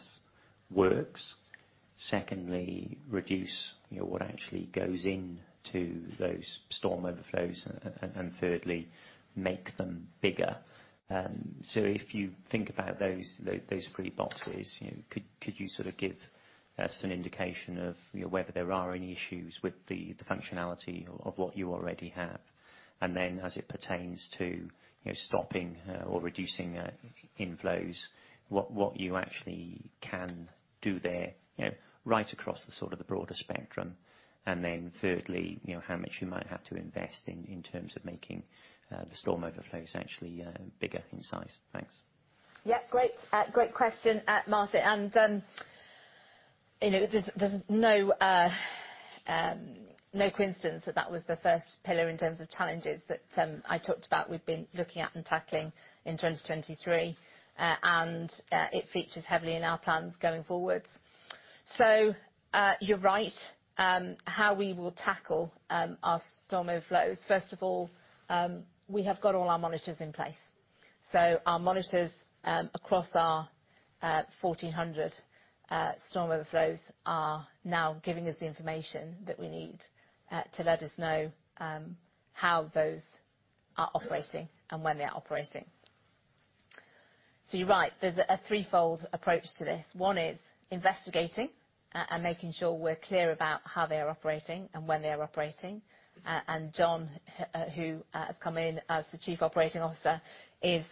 works. Secondly, reduce, you know, what actually goes into those storm overflows. Thirdly, make them bigger. So if you think about those three boxes, you know, could you sort of give us an indication of, you know, whether there are any issues with the functionality of what you already have? Then, as it pertains to, you know, stopping, or reducing, inflows, what you actually can do there, you know, right across the sort of the broader spectrum. Thirdly, you know, how much you might have to invest in terms of making the storm overflows actually bigger in size? Thanks. Great question, Martin. You know, there's no coincidence that that was the first pillar in terms of challenges that I talked about, we've been looking at and tackling in 2023, and it features heavily in our plans going forward. You're right, how we will tackle our storm overflows. First of all, we have got all our monitors in place, so our monitors across our 1,400 storm overflows are now giving us the information that we need to let us know how those are operating and when they're operating. You're right, there's a threefold approach to this. One is investigating and making sure we're clear about how they are operating and when they are operating. John, who has come in as the Chief Operating Officer, is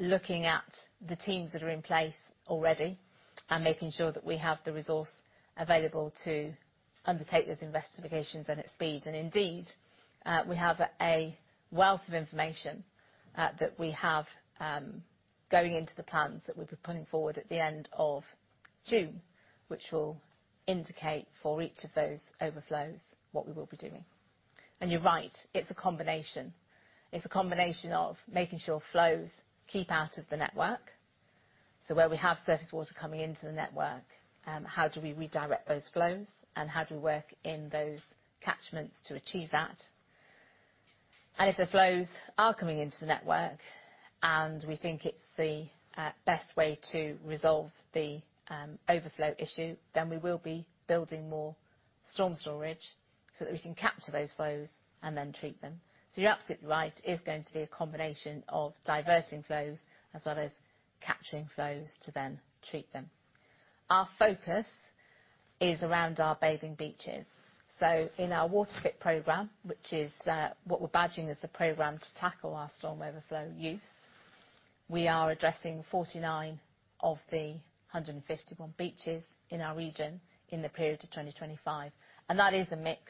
looking at the teams that are in place already and making sure that we have the resource available to undertake those investigations and at speed. Indeed, we have a wealth of information that we have going into the plans that we'll be putting forward at the end of June, which will indicate for each of those overflows, what we will be doing. You're right, it's a combination. It's a combination of making sure flows keep out of the network, so where we have surface water coming into the network, how do we redirect those flows, and how do we work in those catchments to achieve that. If the flows are coming into the network, and we think it's the best way to resolve the overflow issue, then we will be building more storm storage, so that we can capture those flows and then treat them. You're absolutely right, it is going to be a combination of diverting flows as well as capturing flows to then treat them. Our focus is around our bathing beaches, so in our WaterFit program, which is what we're badging as the program to tackle our storm overflow use, we are addressing 49 of the 151 beaches in our region in the period to 2025, and that is a mix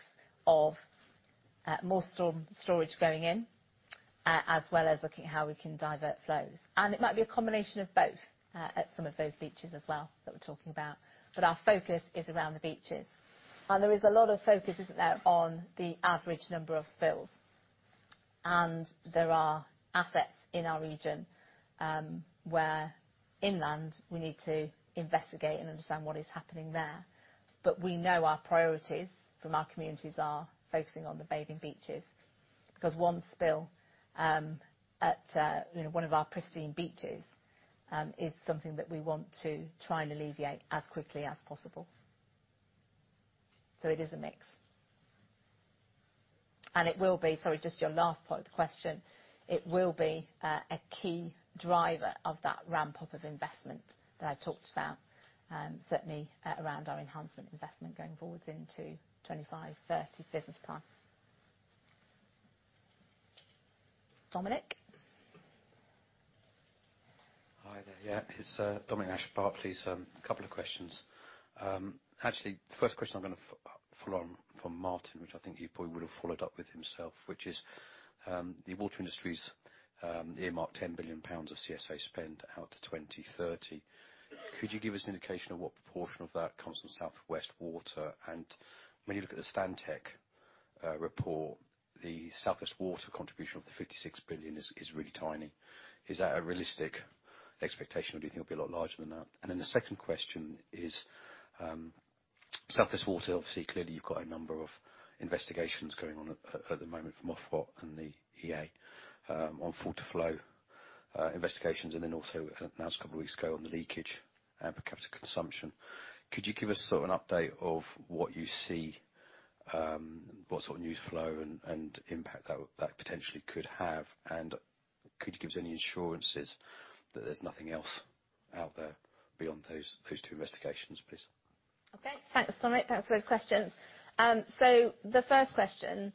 of more storm storage going in as well as looking at how we can divert flows. It might be a combination of both, at some of those beaches as well, that we're talking about, but our focus is around the beaches. There is a lot of focus, isn't there, on the average number of spills? There are assets in our region, where inland, we need to investigate and understand what is happening there. We know our priorities from our communities are focusing on the bathing beaches, because one spill, at, you know, one of our pristine beaches, is something that we want to try and alleviate as quickly as possible. It is a mix. Sorry, just your last part of the question, it will be a key driver of that ramp-up of investment that I talked about, certainly, around our enhancement investment going forwards into 2025, 2030 business plan. Dominic? Hi there. Yeah, it's Dominic Nash, Barclays. A couple of questions. Actually, the first question I'm gonna follow on from Martin, which I think he probably would have followed up with himself, which is, the water industry's earmarked 10 billion pounds of CSA spend out to 2030. Could you give us an indication of what proportion of that comes from South West Water? When you look at the Stantec, report, the South West Water contribution of the 56 billion is really tiny. Is that a realistic expectation, or do you think it'll be a lot larger than that? The second question is, South West Water, obviously, clearly, you've got a number of investigations going on at the moment from Ofwat and the EA, on flow to full investigations, and then also announced a couple of weeks ago on the leakage and per capita consumption. Could you give us sort of an update of what you see, what sort of news flow and impact that potentially could have, and could you give us any assurances that there's nothing else out there beyond those two investigations, please? Okay. Thanks, Dominic. Thanks for those questions. The first question,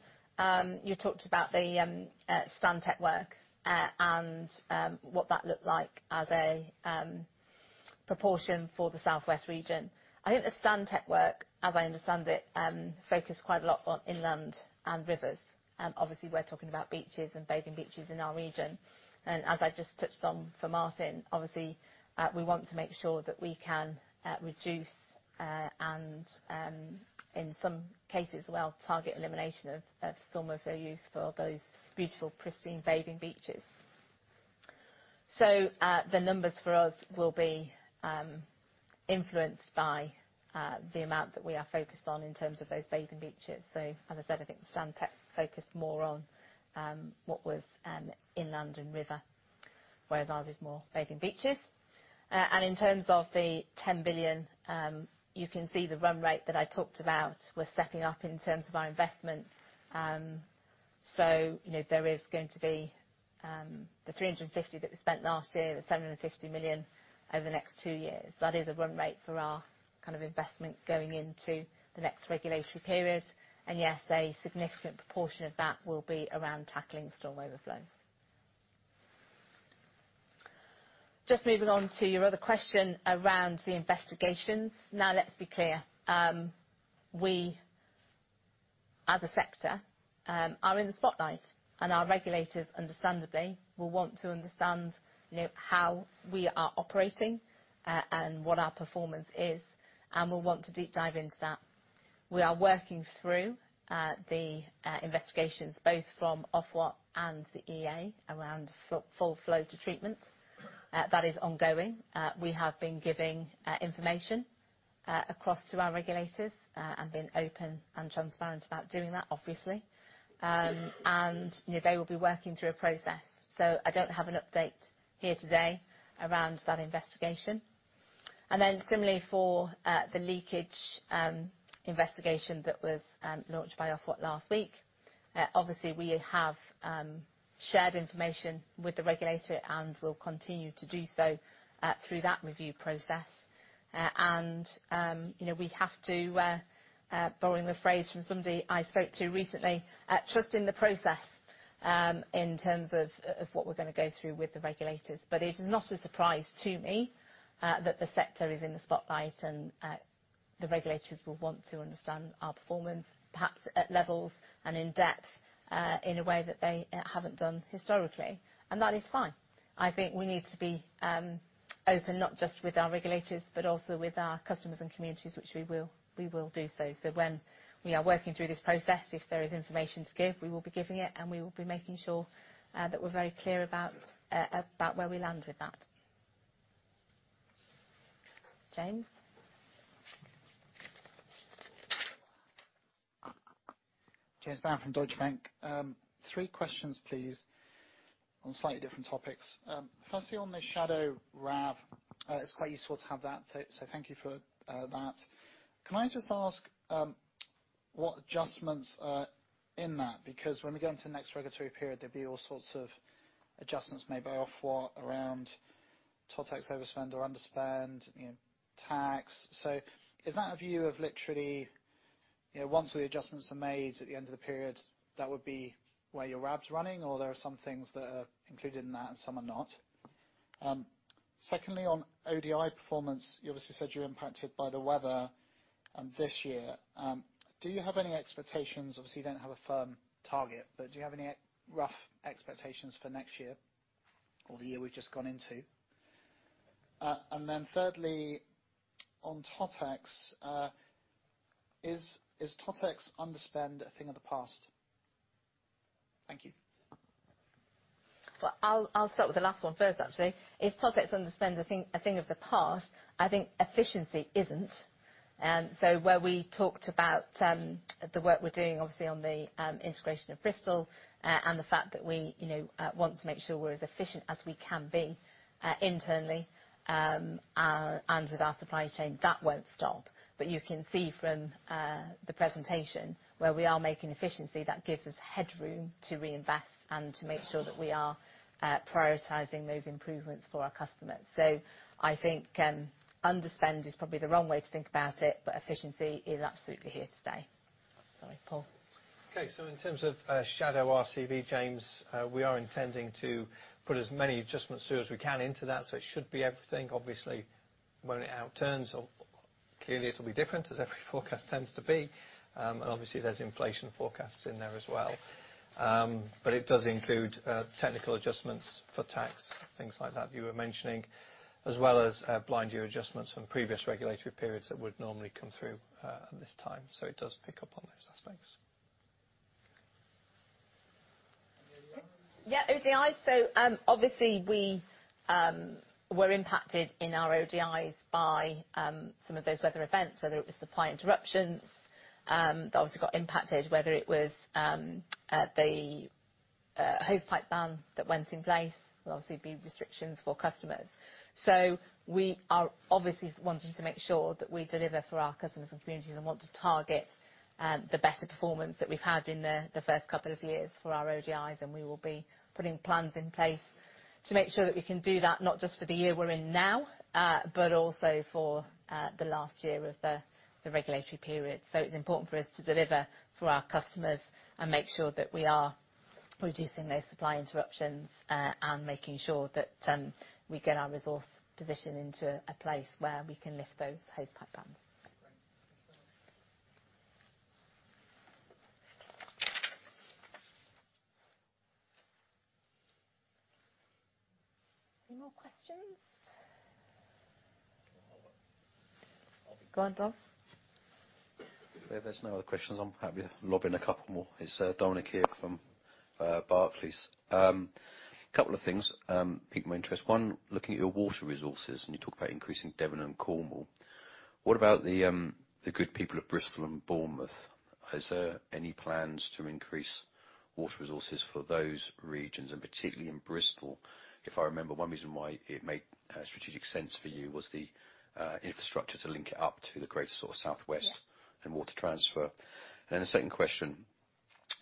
you talked about the Stantec work, and what that looked like as a proportion for the South West region. I think the Stantec work, as I understand it, focused quite a lot on inland and rivers. Obviously, we're talking about beaches and bathing beaches in our region. As I just touched on for Martin, obviously, we want to make sure that we can reduce, and in some cases, well, target elimination of some overflow use for those beautiful, pristine bathing beaches. The numbers for us will be influenced by the amount that we are focused on in terms of those bathing beaches. As I said, I think Stantec focused more on what was inland and river, whereas ours is more bathing beaches. In terms of the 10 billion, you can see the run rate that I talked about, we're stepping up in terms of our investment. You know, there is going to be the 350 million that we spent last year, the 750 million over the next two years. That is a run rate for our kind of investment going into the next regulatory period, and yes, a significant proportion of that will be around tackling storm overflows. Just moving on to your other question around the investigations. Let's be clear, we, as a sector, are in the spotlight, and our regulators, understandably, will want to understand, you know, how we are operating, and what our performance is, and will want to deep dive into that. We are working through the investigations, both from Ofwat and the EA, around Flow to Full Treatment. That is ongoing. We have been giving information across to our regulators, and been open and transparent about doing that, obviously. You know, they will be working through a process, so I don't have an update here today around that investigation. Similarly, for the leakage investigation that was launched by Ofwat last week, obviously, we have shared information with the regulator and will continue to do so through that review process. You know, we have to, borrowing the phrase from somebody I spoke to recently, "Trust in the process," in terms of what we're gonna go through with the regulators. It's not a surprise to me that the sector is in the spotlight, and the regulators will want to understand our performance, perhaps at levels and in depth, in a way that they haven't done historically, and that is fine. I think we need to be open, not just with our regulators, but also with our customers and communities, which we will do so. When we are working through this process, if there is information to give, we will be giving it, and we will be making sure that we're very clear about where we land with that. James? James Brand from Deutsche Bank. Three questions, please, on slightly different topics. Firstly, on the shadow RAV, it's quite useful to have that, thank you for that. Can I just ask what adjustments are in that? When we go into the next regulatory period, there'll be all sorts of adjustments made by Ofwat around TotEx overspend or underspend, you know, tax. Is that a view of literally, you know, once the adjustments are made at the end of the period, that would be where your RAV's running, or there are some things that are included in that and some are not? Secondly, on ODI performance, you obviously said you were impacted by the weather this year. Do you have any expectations? Obviously, you don't have a firm target, but do you have any rough expectations for next year or the year we've just gone into? Then thirdly, on TotEx, is TotEx underspend a thing of the past? Thank you. I'll start with the last one first, actually. Is TotEx underspend a thing of the past? I think efficiency isn't. Where we talked about the work we're doing, obviously on the integration of Bristol and the fact that we, you know, want to make sure we're as efficient as we can be internally and with our supply chain, that won't stop. You can see from the presentation, where we are making efficiency, that gives us headroom to reinvest and to make sure that we are prioritizing those improvements for our customers. I think underspend is probably the wrong way to think about it, but efficiency is absolutely here to stay. Sorry, Paul. Okay. In terms of shadow RCV, James, we are intending to put as many adjustments through as we can into that, so it should be everything. Obviously, when it outturns, clearly, it'll be different, as every forecast tends to be. Obviously, there's inflation forecasts in there as well. It does include technical adjustments for tax, things like that you were mentioning, as well as blind year adjustments from previous regulatory periods that would normally come through at this time. It does pick up on those aspects. Yeah, ODI. Obviously, we were impacted in our ODIs by some of those weather events, whether it was supply interruptions, that obviously got impacted, whether it was the hosepipe ban that went in place, obviously be restrictions for customers. We are obviously wanting to make sure that we deliver for our customers and communities, and want to target the better performance that we've had in the first couple of years for our ODIs. We will be putting plans in place to make sure that we can do that, not just for the year we're in now, but also for the last year of the regulatory period. It's important for us to deliver for our customers and make sure that we are reducing those supply interruptions, and making sure that we get our resource position into a place where we can lift those hosepipe bans. Any more questions? Go on, Dom. If there's no other questions, I'm happy to lob in a couple more. It's Dominic here from Barclays. Couple of things piqued my interest. One, looking at your water resources, and you talk about increasing Devon and Cornwall, what about the good people of Bristol and Bournemouth? Is there any plans to increase water resources for those regions, and particularly in Bristol? If I remember, one reason why it made strategic sense for you was the infrastructure to link it up to the greater sort of South West- Yeah Water transfer. The second question,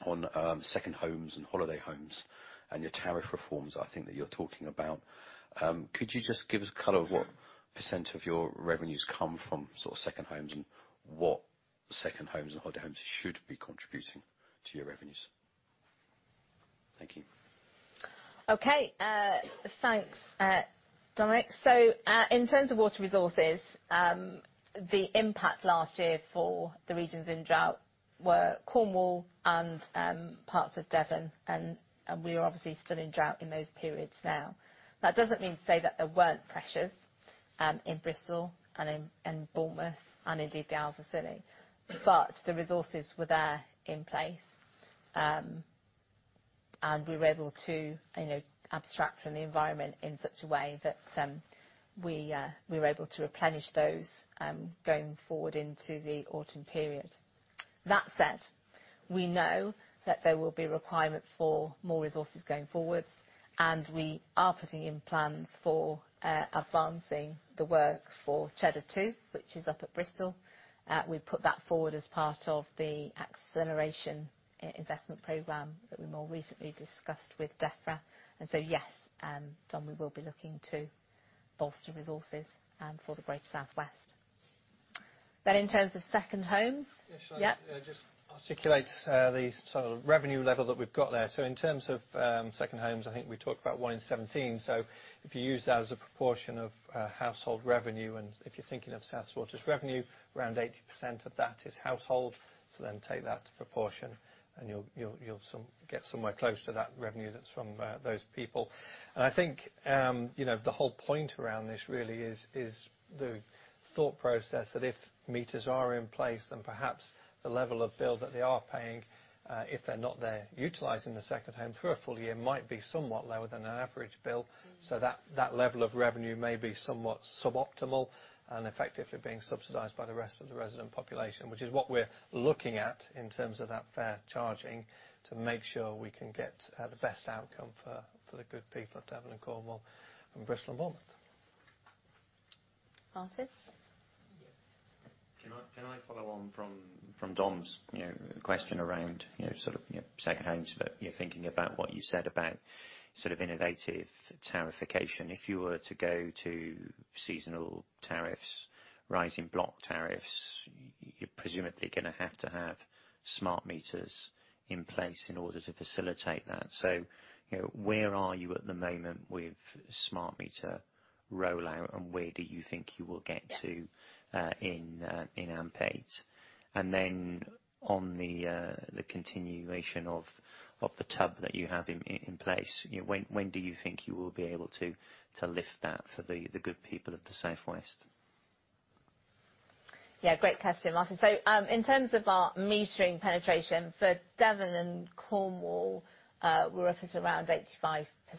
on, second homes and holiday homes and your tariff reforms, I think that you're talking about, could you just give us a color of what percent of your revenues come from sort of second homes, and what second homes and holiday homes should be contributing to your revenues? Thank you. Okay, thanks, Dominic. In terms of water resources, the impact last year for the regions in drought were Cornwall and parts of Devon, and we are obviously still in drought in those periods now. That doesn't mean to say that there weren't pressures in Bristol and Bournemouth, and indeed, the Isle of Scilly, but the resources were there in place. We were able to, you know, abstract from the environment in such a way that we were able to replenish those going forward into the autumn period. That said, we know that there will be requirement for more resources going forwards, we are putting in plans for advancing the work for Cheddar 2, which is up at Bristol. We've put that forward as part of the acceleration investment program that we more recently discussed with Defra. Yes, Dom, we will be looking to bolster resources, for the greater South West. In terms of second homes- Yeah, shall I- Yeah. just articulate the sort of revenue level that we've got there. In terms of second homes, I think we talked about one in 2017. If you use that as a proportion of household revenue, and if you're thinking of South West Water's revenue, around 80% of that is household. Take that to proportion, and you'll get somewhere close to that revenue that's from those people. I think, you know, the whole point around this really is the thought process that if meters are in place, then perhaps the level of bill that they are paying, if they're not there utilizing the second home through a full year, might be somewhat lower than an average bill. Mm-hmm. That level of revenue may be somewhat suboptimal, and effectively being subsidized by the rest of the resident population, which is what we're looking at in terms of that fair charging, to make sure we can get the best outcome for the good people of Devon and Cornwall, and Bristol and Bournemouth. ...Martin? Can I follow on from Dom's, you know, question around, you know, sort of, you know, second homes, but, you know, thinking about what you said about sort of innovative tariffication. If you were to go to seasonal tariffs, rising block tariffs, you're presumably going to have to have smart meters in place in order to facilitate that. You know, where are you at the moment with smart meter rollout, and where do you think you will get to in AMP8? On the continuation of the tub that you have in place, you know, when do you think you will be able to lift that for the good people of the South West? Yeah, great question, Martin. In terms of our metering penetration for Devon and Cornwall, we're up at around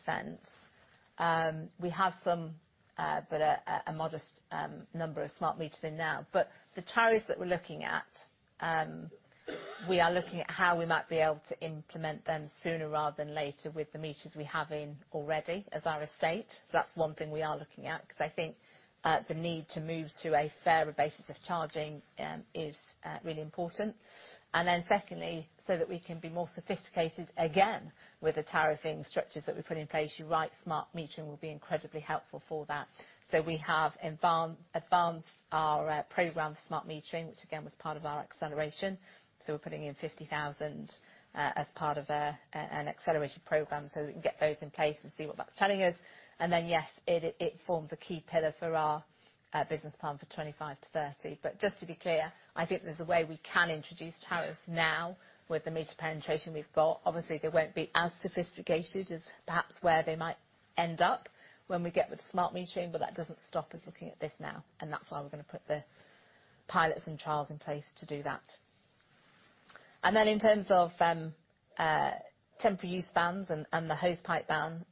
85%. We have some, but a modest number of smart meters in now. The tariffs that we're looking at, we are looking at how we might be able to implement them sooner rather than later with the meters we have in already as our estate. That's one thing we are looking at, because I think the need to move to a fairer basis of charging is really important. Secondly, so that we can be more sophisticated, again, with the tariffing structures that we put in place. You're right, smart metering will be incredibly helpful for that. We have advanced our program for smart metering, which again, was part of our acceleration. We're putting in 50,000 as part of an accelerated program, so we can get those in place and see what that's telling us. Yes, it forms a key pillar for our business plan for 2025-2030. Just to be clear, I think there's a way we can introduce tariffs now with the meter penetration we've got. Obviously, they won't be as sophisticated as perhaps where they might end up when we get with the smart metering, but that doesn't stop us looking at this now, and that's why we're going to put the pilots and trials in place to do that. In terms of temporary use bans and the hosepipe ban,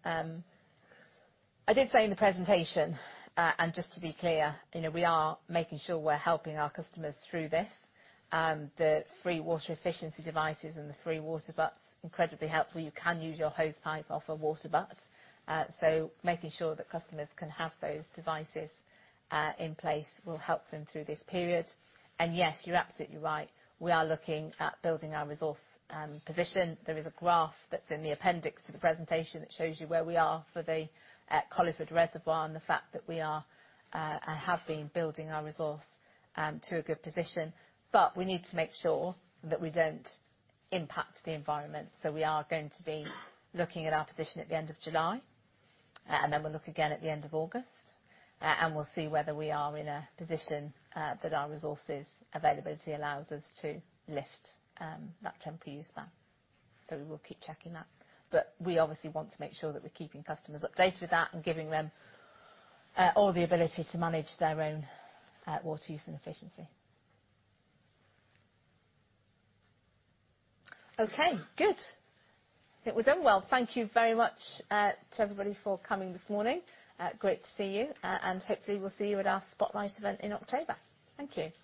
I did say in the presentation, just to be clear, you know, we are making sure we're helping our customers through this. The free water efficiency devices and the free water butts, incredibly helpful. You can use your hosepipe off a water butt. Making sure that customers can have those devices in place will help them through this period. Yes, you're absolutely right. We are looking at building our resource position. There is a graph that's in the appendix to the presentation that shows you where we are for the Colliford Reservoir and the fact that we are and have been building our resource to a good position. We need to make sure that we don't impact the environment. We are going to be looking at our position at the end of July, and then we'll look again at the end of August, and we'll see whether we are in a position that our resources availability allows us to lift that temporary use ban. We will keep checking that. We obviously want to make sure that we're keeping customers updated with that and giving them all the ability to manage their own water use and efficiency. Okay, good. I think we're done. Thank you very much to everybody for coming this morning. Great to see you, and hopefully, we'll see you at our Spotlight event in October. Thank you. Thank you all.